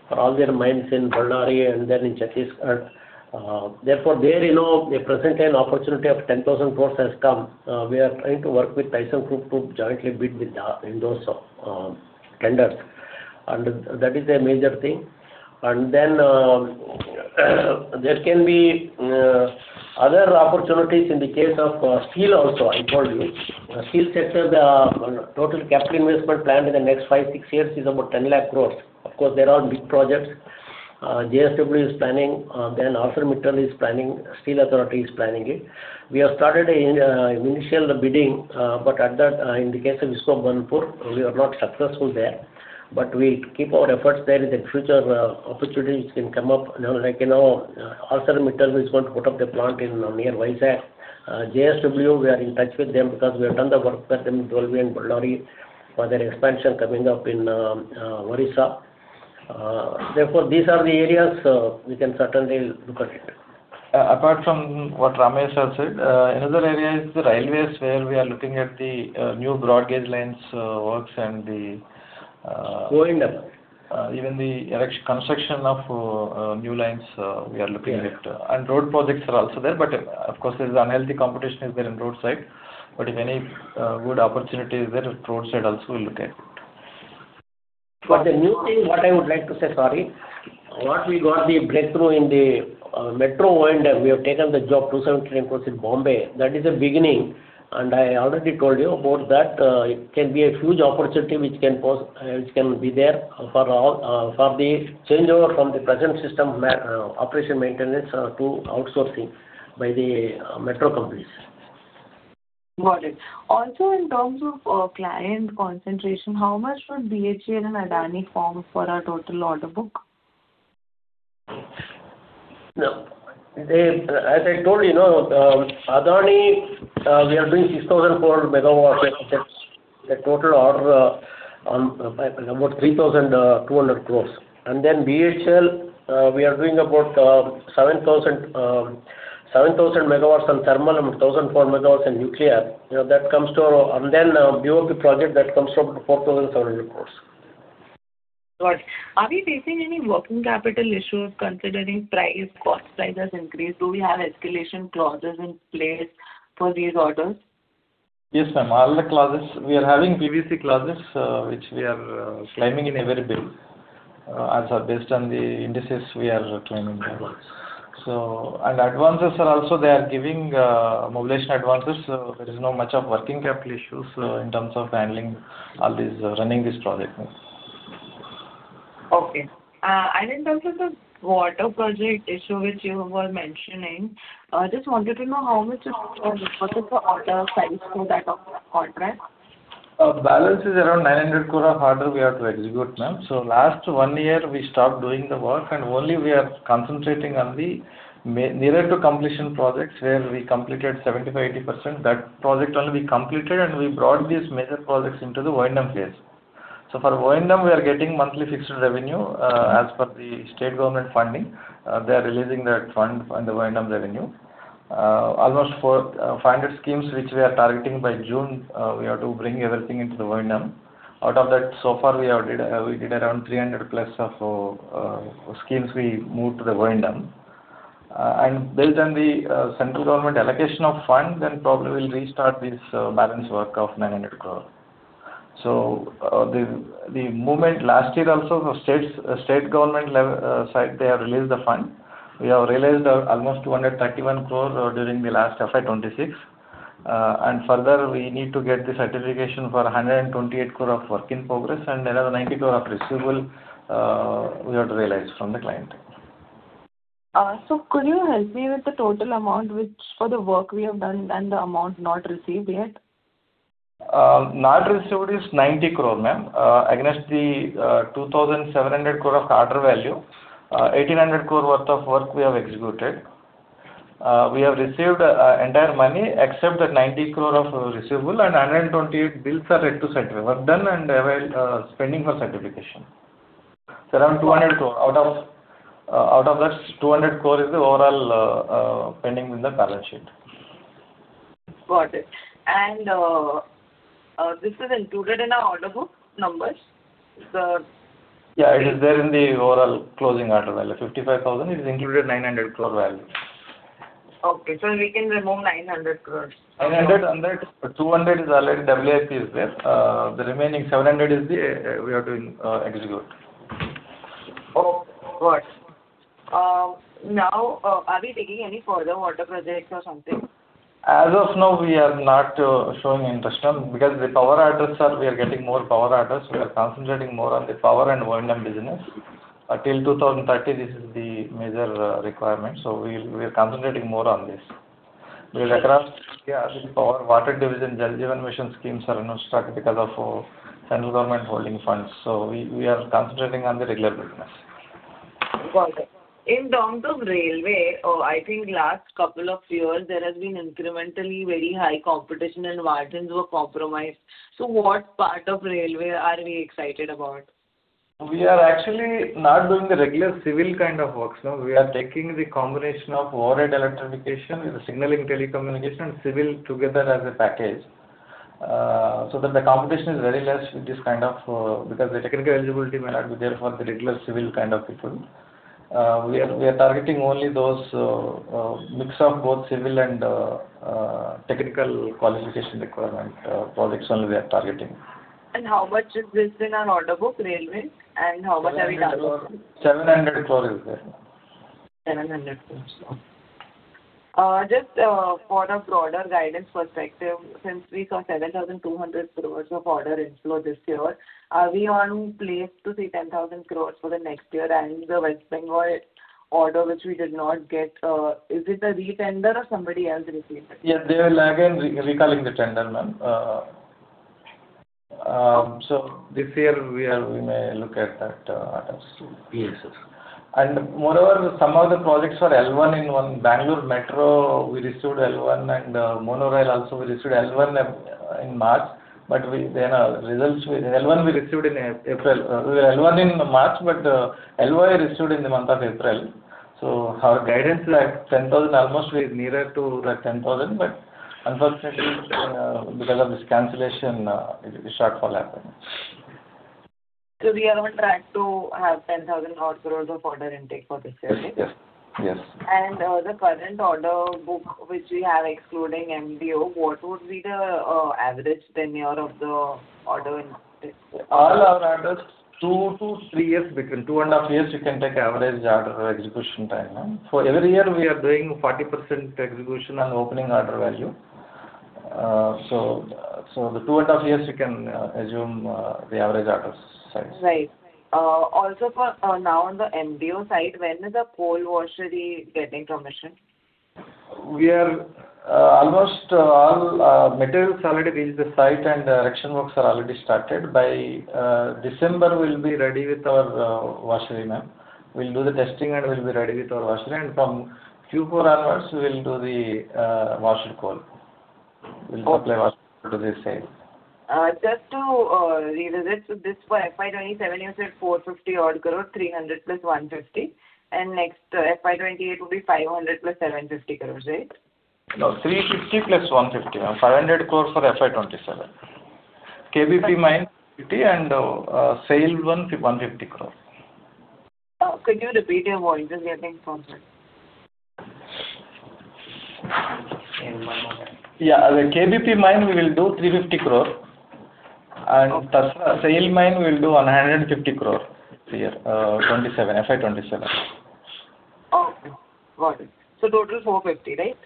for all their mines in Bailadila and then in Chhattisgarh. Therefore, there, a present time opportunity of 10,000 crore has come. We are trying to work with thyssenkrupp to jointly bid with us in those tenders, that is a major thing. There can be other opportunities in the case of steel also, I told you. Steel sector, the total capital investment planned in the next five, six years is about 10 lakh crore. Of course, they're all big projects. JSW is planning, ArcelorMittal is planning, Steel Authority is planning it. We have started initial bidding. In the case of Visakhapatnam, we were not successful there. We keep our efforts there. In the future, opportunities can come up. ArcelorMittal is going to put up the plant in near Vizag. JSW, we are in touch with them because we have done the work for them in Dolvi and Bailadila for their expansion coming up in Orissa. These are the areas we can certainly look at it. Apart from what Ramaiah has said, another area is the railways, where we are looking at the new broad gauge lines works. Going up. Even the construction of new lines we are looking at. Road projects are also there, but of course, there's unhealthy competition is there in roadside. Many good opportunities there, roadside also we'll look at. The new thing, what I would like to say, sorry. What we got the breakthrough in the Metro O&M, we have taken the job, 27 train course in Bombay. That is a beginning. I already told you about that. It can be a huge opportunity which can be there for the changeover from the present system, operation maintenance to outsourcing by the metro companies. Got it. In terms of client concentration, how much would BHEL and Adani form for our total order book? As I told you, Adani, we are doing 6,400 MW. The total order, about 3,200 crores. BHEL, we are doing about 7,000 MW on thermal and 1,400 MW in nuclear. BOP project, that comes to up to 4,700 crores. Got it. Are we facing any working capital issues considering price, cost price has increased? Do we have escalation clauses in place for these orders? Okay. In terms of the water project issue, which you were mentioning, I just wanted to know how much is for the order size for that contract. Balance is around 900 crore of order we have to execute, ma'am. Last one year, we stopped doing the work, and only we are concentrating on the nearer-to-completion projects, where we completed 75%-80%. That project only we completed, and we brought these major projects into the O&M phase. For O&M, we are getting monthly fixed revenue. As per the state government funding, they are releasing that fund on the O&M revenue. Almost 400 schemes which we are targeting by June, we have to bring everything into the O&M. Out of that, so far, we did around 300+ of schemes we moved to the O&M. Based on the central government allocation of fund, then probably we'll restart this balance work of 900 crore. The movement last year also, the state government side, they have released the fund. We have realized almost 231 crore during the last FY 2026. Further, we need to get the certification for 128 crore of work in progress and another 90 crore of receivable, we have to realize from the client. Could you help me with the total amount, which for the work we have done and the amount not received yet? Not received is 90 crore, ma'am. Against the 2,700 crore of order value, 1,800 crore worth of work we have executed. We have received entire money except that 90 crore of receivable. 128 bills are yet to set. Work done and pending for certification. Around 200 crore. Out of that, 200 crore is the overall pending in the balance sheet. Got it. This is included in our order book numbers? Yeah, it is there in the overall closing order value. 55,000 is included 900 crore value. We can remove 900 crore. 200 is already WIP is there. The remaining 700 we have to execute. Got it. Are we taking any further water projects or something? As of now, we are not showing interest, ma'am, because we are getting more power orders. We are concentrating more on the power and O&M business. Till 2030, this is the major requirement. We're concentrating more on this. Power, Water Division, Jal Jeevan Mission schemes are not started because of central government holding funds. We are concentrating on the regular business. Got it. In terms of railway, I think last couple of years, there has been incrementally very high competition, and margins were compromised. What part of railway are we excited about? We are actually not doing the regular civil kind of works. No, we are taking the combination of overhead electrification with the signaling, telecommunication, civil together as a package. So that the competition is very less with this kind of because the technical eligibility may not be there for the regular civil kind of people. We are targeting only those mix of both civil and technical qualification requirement projects only we are targeting. How much is this in our order book, railway? How much have we done? 700 crore is there. 700 crore. Just for a broader guidance perspective, since we saw 7,200 crore of order inflow this year, are we on place to see 10,000 crore for the next year? The West Bengal order, which we did not get, is it a re-tender, or somebody else received it? Yes, they will again recalling the tender, ma'am. This year, we may look at that order soon. Yes. Moreover, some of the projects were L1 in one Bangalore Metro; we received L1, and Monorail also, we received L1 in March. L1 we received in April. L1 in March, LOI received in the month of April. Our guidance, at 10,000 almost, we're nearer to that 10,000, unfortunately, because of this cancellation, this shortfall happened. We are on track to have 10,000 odd crores of order intake for this year, right? Yes. The current order book which we have excluding MDO, what would be the average tenure of the order intake? All our orders, two to three years. Between 2.5 years, you can take average order execution time. For every year, we are doing 40% execution on opening order value. The 2.5 years, you can assume the average order size. Right. Now on the MDO side, when is the coal washery getting commissioned? Almost all materials already reached the site, and erection works are already started. By December, we'll be ready with our washery, ma'am. We'll do the testing, and we'll be ready with our washery. From Q4 onwards, we will do the washed coal. We'll supply washed coal to this side. Just to revisit. This for FY 2027, you said 450 odd crore, 300 + 150, and next FY 2028 will be 500 + 750 crore, right? No, 350 + 150, ma'am. 500 crore for FY 2027. KBP mine, 350 crore and SAIL mine, 150 crore. Could you repeat your volume? We are getting some trouble. Yeah. The KBP mine, we will do 350 crore, and plus SAIL mine, we will do INR 150 crore this year, FY 2027. Okay, got it. Total 450, right?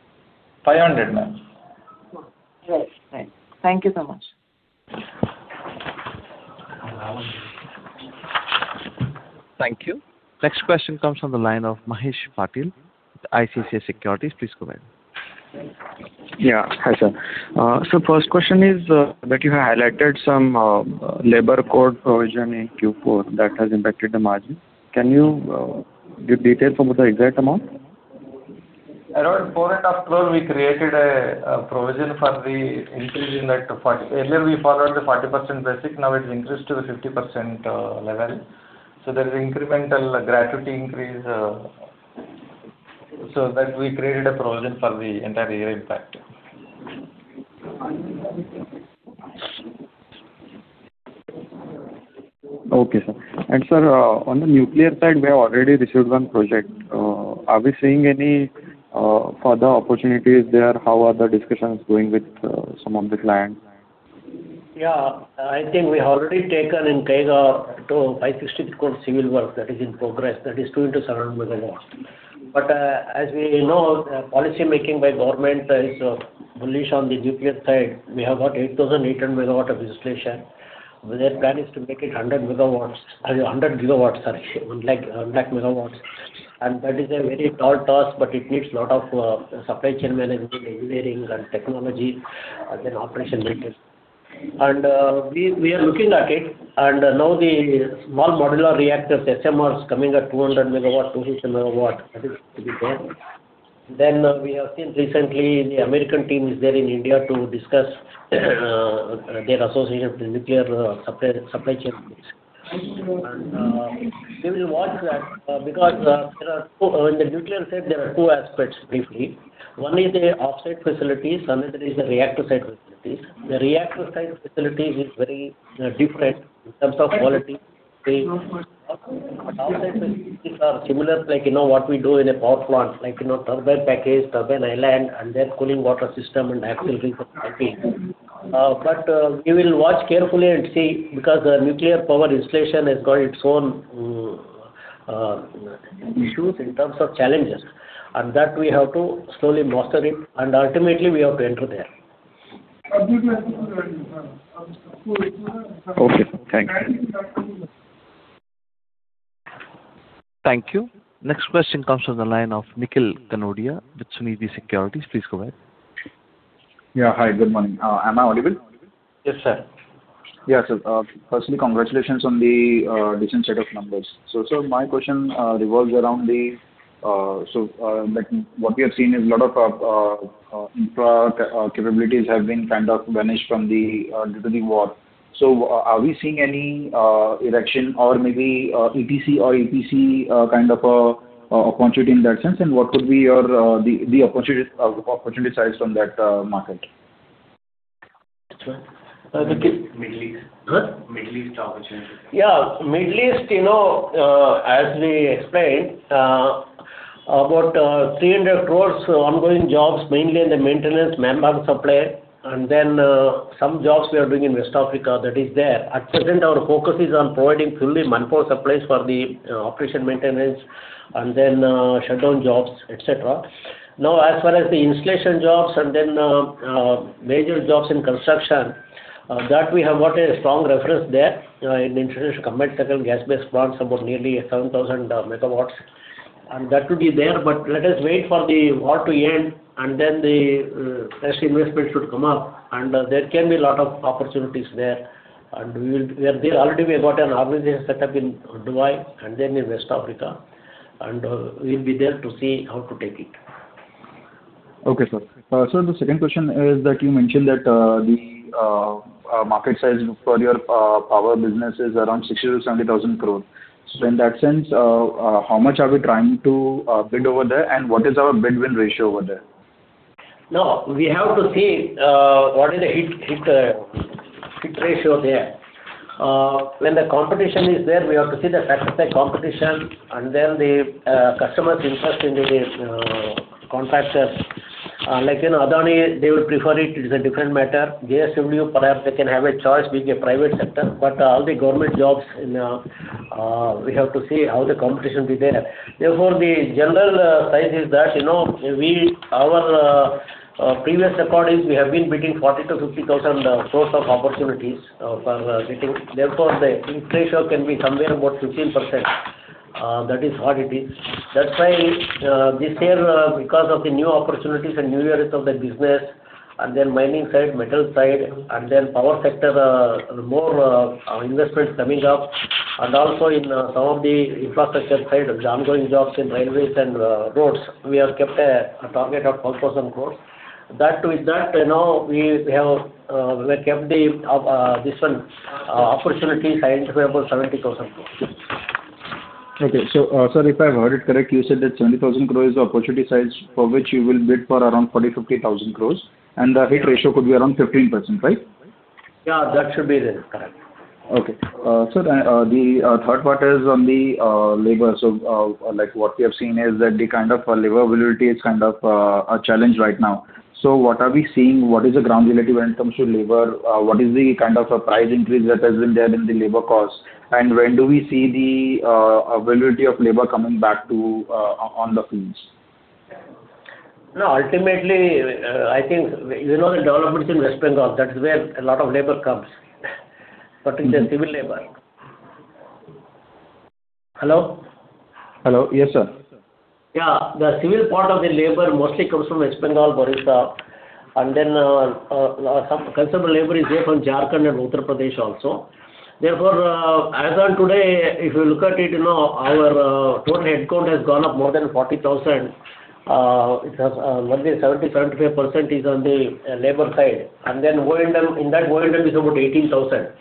500, ma'am. Got it. Thank you so much. Thank you. Next question comes from the line of Mahesh Patil with ICICI Securities. Please go ahead. Yeah. Hi, sir. Sir, first question is that you have highlighted some labor code provision in Q4 that has impacted the margin. Can you give details about the exact amount? Around 4.5 crore, we created a provision for the increase in that 40. Earlier, we followed the 40% basic, now it increased to the 50% level. There is incremental gratuity increase, so that we created a provision for the entire year impact. Okay, sir. Sir, on the nuclear side, we have already received one project. Are we seeing any further opportunities there? How are the discussions going with some of the clients? Yeah, I think we have already taken intake of up to 560 crore civil work that is in progress. That is two into 700 MW. As we know, the policymaking by government is bullish on the nuclear side. We have got 8,800 MW of installation. Their plan is to make it 100 GW, 1 lakh MW. That is a very tall task, but it needs lot of supply chain management, engineering and technology, then O&M. We are looking at it. Now the small modular reactors, SMRs, coming at 200 MW-250 MW, that is to be there. We have seen recently, the American team is there in India to discuss their association with nuclear supply chain business. We will watch that because in the nuclear side, there are two aspects briefly. One is a offsite facilities, another is a reactor site facilities. The reactor site facilities is very different in terms of quality, safety. Offsite facilities are similar like what we do in a power plant, like turbine package, turbine island, and then cooling water system and auxiliary for piping. We will watch carefully and see because nuclear power installation has got its own issues in terms of challenges, and that we have to slowly master it and ultimately we have to enter there. Okay, sir. Thank you. Thank you. Next question comes from the line of [Nikhil Kanodia] with Sunidhi Securities. Please go ahead. Yeah. Hi, good morning. Am I audible? Yes, sir. Yeah, sir. Firstly, congratulations on the decent set of numbers. Sir, my question revolves around what we have seen is lot of infra capabilities have been kind of vanished from the due to the war. Are we seeing any erection or maybe EPC kind of opportunity in that sense? What could be the opportunity size from that market? Which one? Middle East. Middle East opportunity. Middle East, as we explained, about 300 crore ongoing jobs, mainly in the maintenance, manpower supply, and then some jobs we are doing in West Africa, that is there. At present, our focus is on providing purely manpower supplies for the operation, maintenance and then shutdown jobs, etc. As far as the installation jobs and then major jobs in construction, that we have got a strong reference there in international combined cycle gas-based plants, about nearly 7,000 MW, and that will be there. Let us wait for the war to end, and then the fresh investment should come up, and there can be lot of opportunities there. There already we have got an office set up in Dubai and then in West Africa, and we'll be there to see how to take it. Okay, sir. Sir, the second question is that you mentioned that the market size for your power business is around 60,000 crore-70,000 crore. In that sense, how much are we trying to bid over there, and what is our bid-win ratio over there? We have to see what is the hit ratio there. The competition is there, we have to see the fact of the competition and then the customer's interest in the contractors. Like an Adani, they would prefer it is a different matter. JSW, perhaps they can have a choice being a private sector. All the government jobs, we have to see how the competition be there. The general size is that, our previous record is we have been between 40,000 crore-50,000 crore of opportunities for getting. The hit ratio can be somewhere about 15%. That is what it is. This year, because of the new opportunities and new areas of the business, and then mining side, metal side, and then power sector, more investments coming up, and also in some of the infrastructure side, the ongoing jobs in railways and roads, we have kept a target of 12,000 crores. With that, we have kept the opportunities identified about 70,000 crores. Okay, sir, if I've heard it correctly, you said that 70,000 crore is the opportunity size for which you will bid for around 40,000 crore-50,000 crore, and the hit ratio could be around 15%, right? Yeah, that should be it. Correct. Okay. Sir, the third part is on the labor. What we have seen is that the labor availability is a challenge right now. What are we seeing? What is the ground reality when it comes to labor? What is the price increase that has been there in the labor cost? When do we see the availability of labor coming back on the fields? No, ultimately, I think, the developments in West Bengal, that's where a lot of labor comes, particular civil labor. Hello? Hello. Yes, sir. Yeah. The civil part of the labor mostly comes from West Bengal, Orissa, and then some considerable labor is there from Jharkhand and Uttar Pradesh also. As on today, if you look at it, our total headcount has gone up more than 40,000. More than 70%-75% is on the labor side. O&M, in that O&M is about 18,000.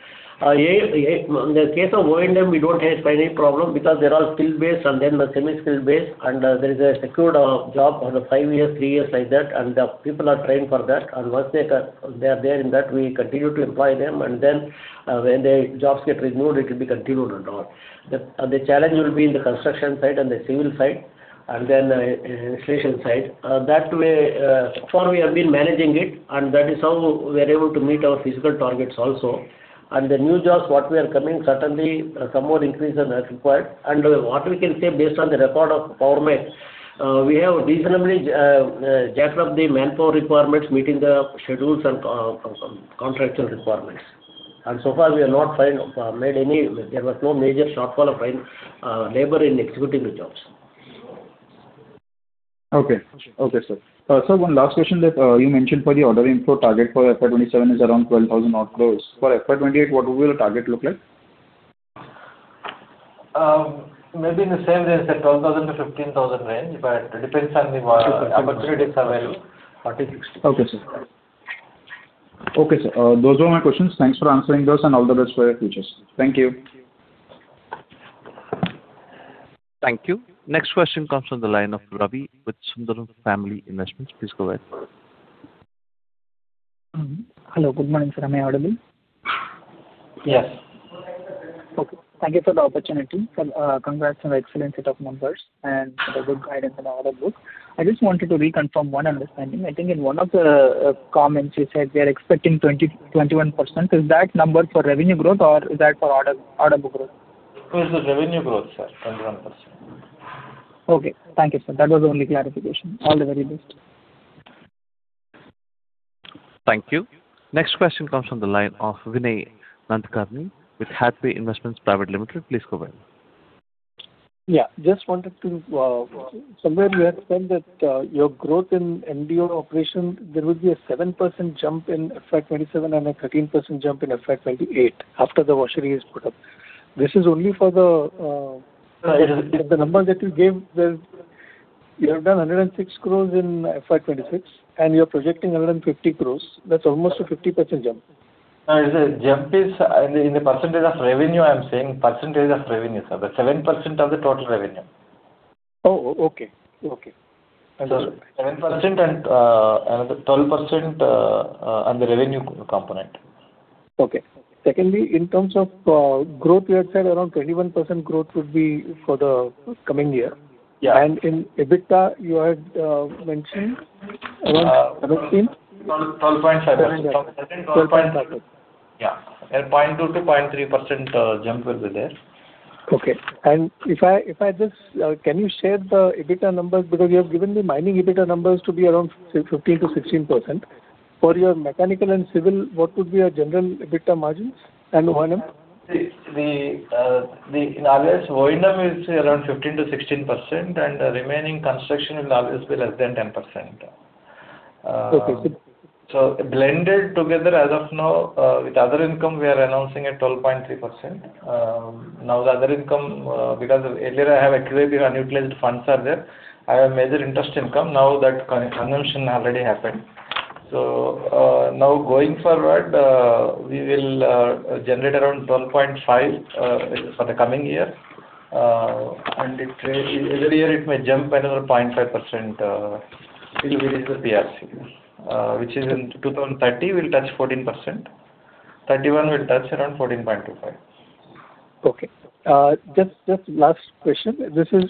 In the case of O&M, we don't face any problem because they're all skill-based and then semi-skill based, and there is a secured job for five years, three years like that, and the people are trained for that. Once they are there in that, we continue to employ them, and then when the jobs get renewed, it will be continued and all. The challenge will be in the construction side and the civil side, and then the installation side. That way, so far we have been managing it, that is how we are able to meet our physical targets also. The new jobs what we are coming, certainly, some more increase is required. What we can say, based on the record of Power Mech, we have reasonably jacked up the manpower requirements, meeting the schedules and contractual requirements. So far, there was no major shortfall of labor in executing the jobs. Okay, sir. Sir, one last question that you mentioned for the ordering flow target for FY 2027 is around 12,000 crore. For FY 2028, what will the target look like? Maybe in the same range, the 12,000-15,000 range, it depends on the opportunities available. Okay, sir. Those were my questions. Thanks for answering those, and all the best for your futures. Thank you. Thank you. Next question comes from the line of Ravi with Sundaram Family Investments. Please go ahead. Hello. Good morning, sir. Am I audible? Yes. Okay. Thank you for the opportunity. Sir, congrats on the excellent set of numbers and for the good guidance on the order book. I just wanted to reconfirm one understanding. I think in one of the comments, you said we are expecting 21%. Is that number for revenue growth, or is that for order book growth? It is the revenue growth, sir, 21%. Okay. Thank you, sir. That was the only clarification. All the very best. Thank you. Next question comes from the line of Vinay Nadkarni with Hathway Investments Private Limited. Please go ahead. Yeah. Somewhere you had said that your growth in MDO operation, there would be a 7% jump in FY 2027 and a 13% jump in FY 2028 after the washery is put up. Yes. The numbers that you gave, you have done 106 crores in FY 2026, and you're projecting 150 crores. That's almost a 50% jump. No, the jump is in the percentage of revenue, I'm saying percentage of revenue, sir. The 7% of the total revenue. Oh, okay. 7% and another 12% on the revenue component. Secondly, in terms of growth, you had said around 21% growth would be for the coming year. Yeah. In EBITDA, you had mentioned around 17%? 12.5%. 12.5. Yeah. A 0.2%-0.3% jump will be there. Okay. Can you share the EBITDA numbers? Because you have given the mining EBITDA numbers to be around 15%-16%. For your mechanical and civil, what would be a general EBITDA margins and O&M? In August, O&M is around 15%-16%, and the remaining construction will always be less than 10%. Okay. Blended together as of now, with other income, we are announcing at 12.3%. The other income, because earlier I have actually the unutilized funds are there. I have major interest income. That consumption already happened. Going forward, we will generate around 12.5% for the coming year. Every year it may jump another 0.5% till we reach the PRC. Which is in 2030, we'll touch 14%. 2031 we'll touch around 14.25%. Okay. Just last question.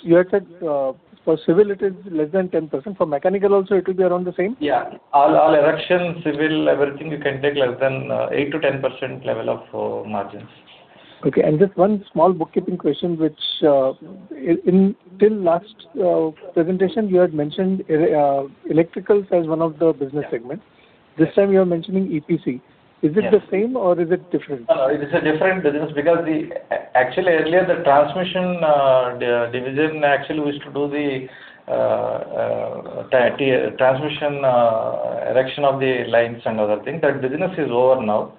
You had said for civil, it is less than 10%. For mechanical also, it will be around the same? Yeah. All erection, civil, everything you can take less than 8%-10% level of margins. Okay. Just one small bookkeeping question, which, till last presentation you had mentioned electricals as one of the business segments. This time, you are mentioning EPC. Is it the same or is it different? No, it is a different business because, actually, earlier the transmission division actually used to do the transmission erection of the lines and other things. That business is over now.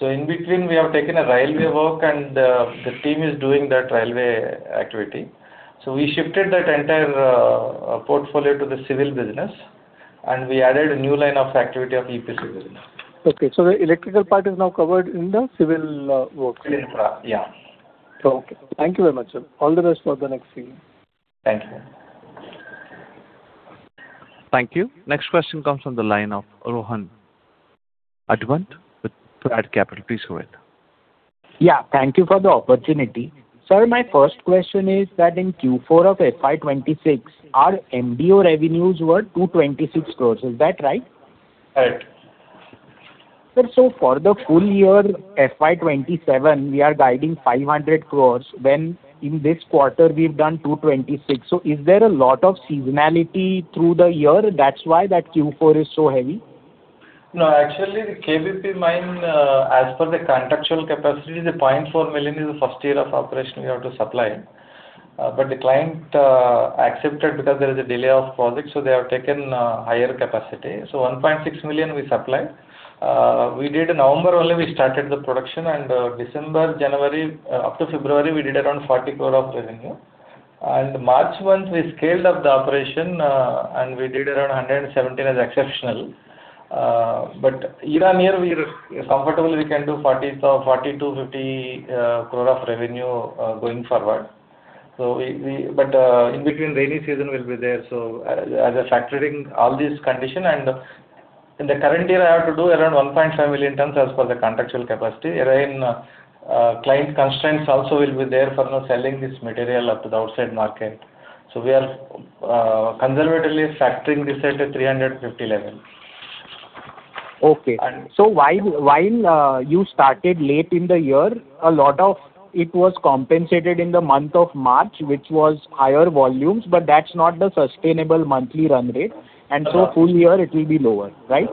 In between, we have taken a railway work, and the team is doing that railway activity. We shifted that entire portfolio to the civil business, and we added a new line of activity of EPC business. Okay, the electrical part is now covered in the civil work. Civil, yeah. Okay. Thank you very much, sir. All the best for the next year. Thank you. Thank you. Next question comes from the line of Rohan Advant with Prad Capital. Please go ahead. Yeah, thank you for the opportunity. Sir, my first question is that in Q4 of FY 2026, our MDO revenues were 226 crores. Is that right? Right. Sir, for the full year FY 2027, we are guiding 500 crore, when in this quarter we've done 226. Is there a lot of seasonality through the year? That's why that Q4 is so heavy? No, actually, the KBP mine, as per the contractual capacity, 0.4 million is the first year of operation we have to supply. The client accepted because there is a delay of project, they have taken a higher capacity. 1.6 million we supplied. We did November, only we started the production, December, January up to February, we did around 40 crore of revenue. March month we scaled up the operation, we did around 117 as exceptional. Year-on-year, comfortably, we can do 40 crore-50 crore of revenue going forward. In between, rainy season will be there, as we're factoring all these condition. In the current year, we have to do around 1.5 million tons as per the contractual capacity, wherein client constraints also will be there for now, selling this material up to the outside market. We are conservatively factoring this at a 350 level. Okay. While you started late in the year, a lot of it was compensated in the month of March, which was higher volumes, but that's not the sustainable monthly run rate, full year it will be lower, right?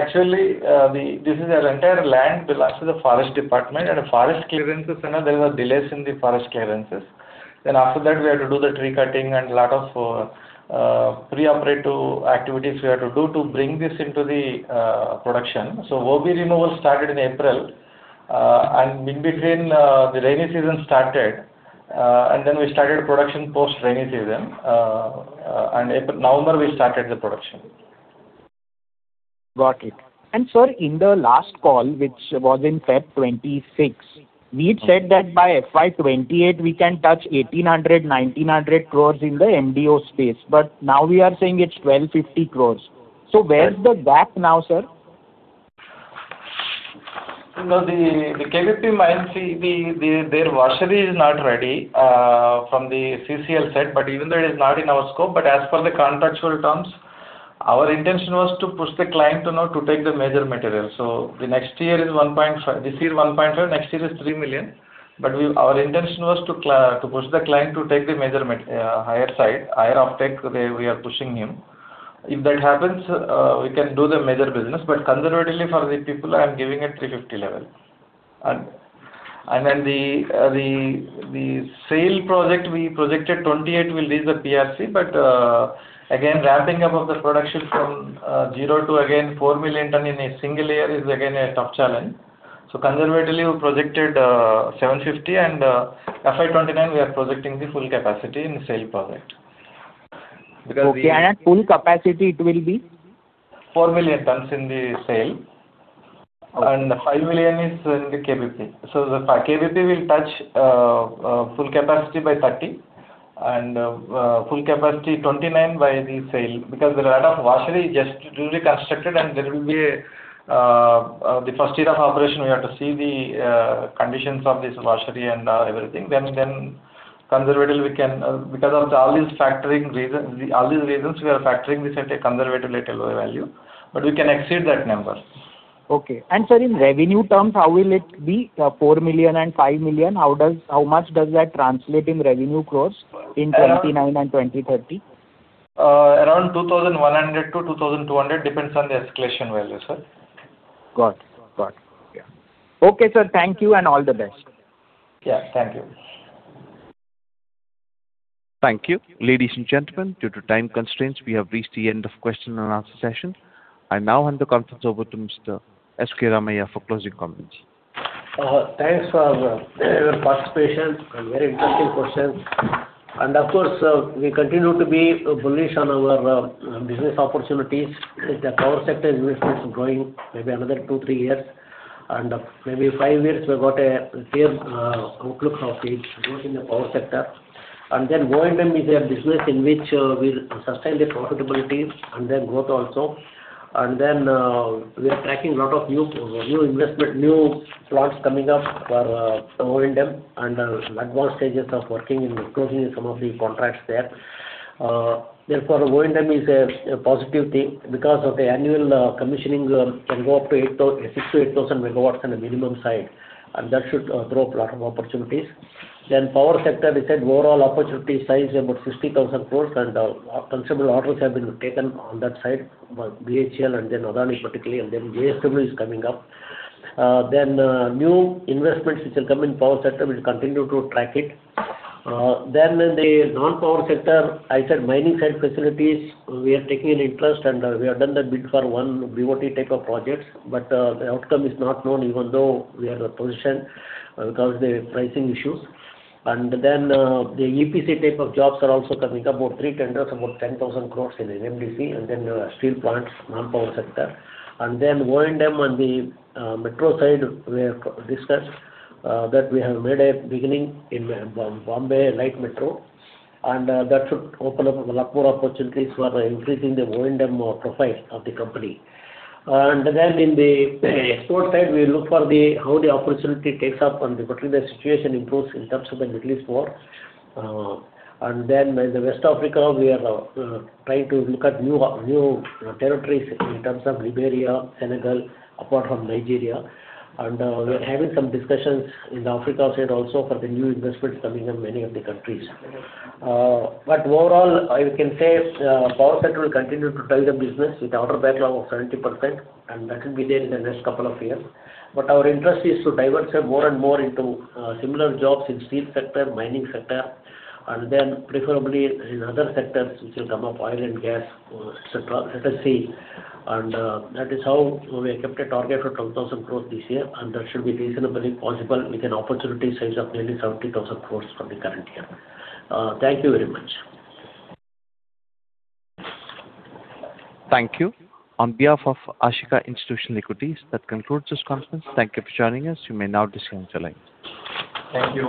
Actually, this is our entire land belongs to the forest department, and forest clearances there is a delays in the forest clearances. After that, we have to do the tree cutting and a lot of pre-operative activities we have to do to bring this into the production. OB removal started in April, and in between, the rainy season started, and then we started production post-rainy season. November, we started the production. Got it. Sir, in the last call, which was in February 2026, we'd said that by FY 2028, we can touch 1,800 crore-1,900 crore in the MDO space. Now we are saying it's 1,250 crore. Where's the gap now, sir? The KBP mine, their washery, is not ready from the CCL side. Even though it is not in our scope, but as per the contractual terms, our intention was to push the client to take the major material. This year 1.5, next year is 3 million. Our intention was to push the client to take the higher side, higher offtake. We are pushing him. If that happens, we can do the major business. Conservatively, for the people, I'm giving at 350 level. The SAIL project, we projected 2028 will reach the PRC. Again, ramping up of the production from zero to again 4 million tons in a single year is again a tough challenge. Conservatively, we've projected 750, and FY 2029, we are projecting the full capacity in the SAIL project. Okay. At full capacity, it will be? Four million tons in the SAIL. Okay. 5 million is in the KBP. The KBP will touch full capacity by 2030, and full capacity 2029 by the SAIL. The washery just to be constructed, and the first year of operation, we have to see the conditions of this washery and everything. Of all these reasons, we are factoring this at a conservative, at a lower value. We can exceed that number. Okay. Sir, in revenue terms, how will it be, 4 million and 5 million? How much does that translate in revenue crores in 2029 and 2030? Around 2,100-2,200, depends on the escalation value, sir. Got it. Yeah. Okay, sir. Thank you, and all the best. Yeah, thank you. Thank you. Ladies and gentlemen, due to time constraints, we have reached the end of question and answer session. I now hand the conference over to Mr. S. K. Ramaiah for closing comments. Thanks for your participation and very interesting questions. Of course, we continue to be bullish on our business opportunities. The power sector investments growing, maybe another two, three years, and maybe five years, we've got a fair outlook of the growth in the power sector. O&M is a business in which we'll sustain the profitability and then growth also. We are tracking a lot of new investment, new plots coming up for the O&M, and advanced stages of working in closing some of the contracts there. Therefore, O&M is a positive thing because of the annual commissioning can go up to 6,000 MW-8,000 MW in a minimum side, and that should throw up a lot of opportunities. Power sector, we said overall opportunity size is about 60,000 crores, and considerable orders have been taken on that side, BHEL and then Adani, particularly, and then JSW is coming up. New investments which will come in power sector, we'll continue to track it. In the non-power sector, I said mining site facilities, we are taking an interest, and we have done the bid for 1 BOT type of projects, but the outcome is not known, even though we are in a position because of the pricing issues. The EPC type of jobs are also coming up, about three tenders, about 10,000 crores in National Mineral Development Corporation and then steel plants, non-power sector. O&M on the metro side, we have discussed that we have made a beginning in Mumbai Monorail, and that should open up a lot more opportunities for increasing the O&M profile of the company. In the export side, we look for how the opportunity takes up, and the particular situation improves in terms of the Middle East war. In the West Africa, we are trying to look at new territories in terms of Liberia, Senegal, apart from Nigeria. We are having some discussions in the Africa side also for the new investments coming up many of the countries. Overall, I can say power sector will continue to drive the business with order backlog of 70%, and that will be there in the next two years. Our interest is to divert more and more into similar jobs in steel sector, mining sector, and then preferably in other sectors which will come up, oil and gas, et cetera. Let us see. That is how we have kept a target for 12,000 crore this year, and that should be reasonably possible with an opportunity size of nearly 70,000 crore for the current year. Thank you very much. Thank you. On behalf of Ashika Institutional Equities, that concludes this conference. Thank you for joining us. You may now disconnect your line.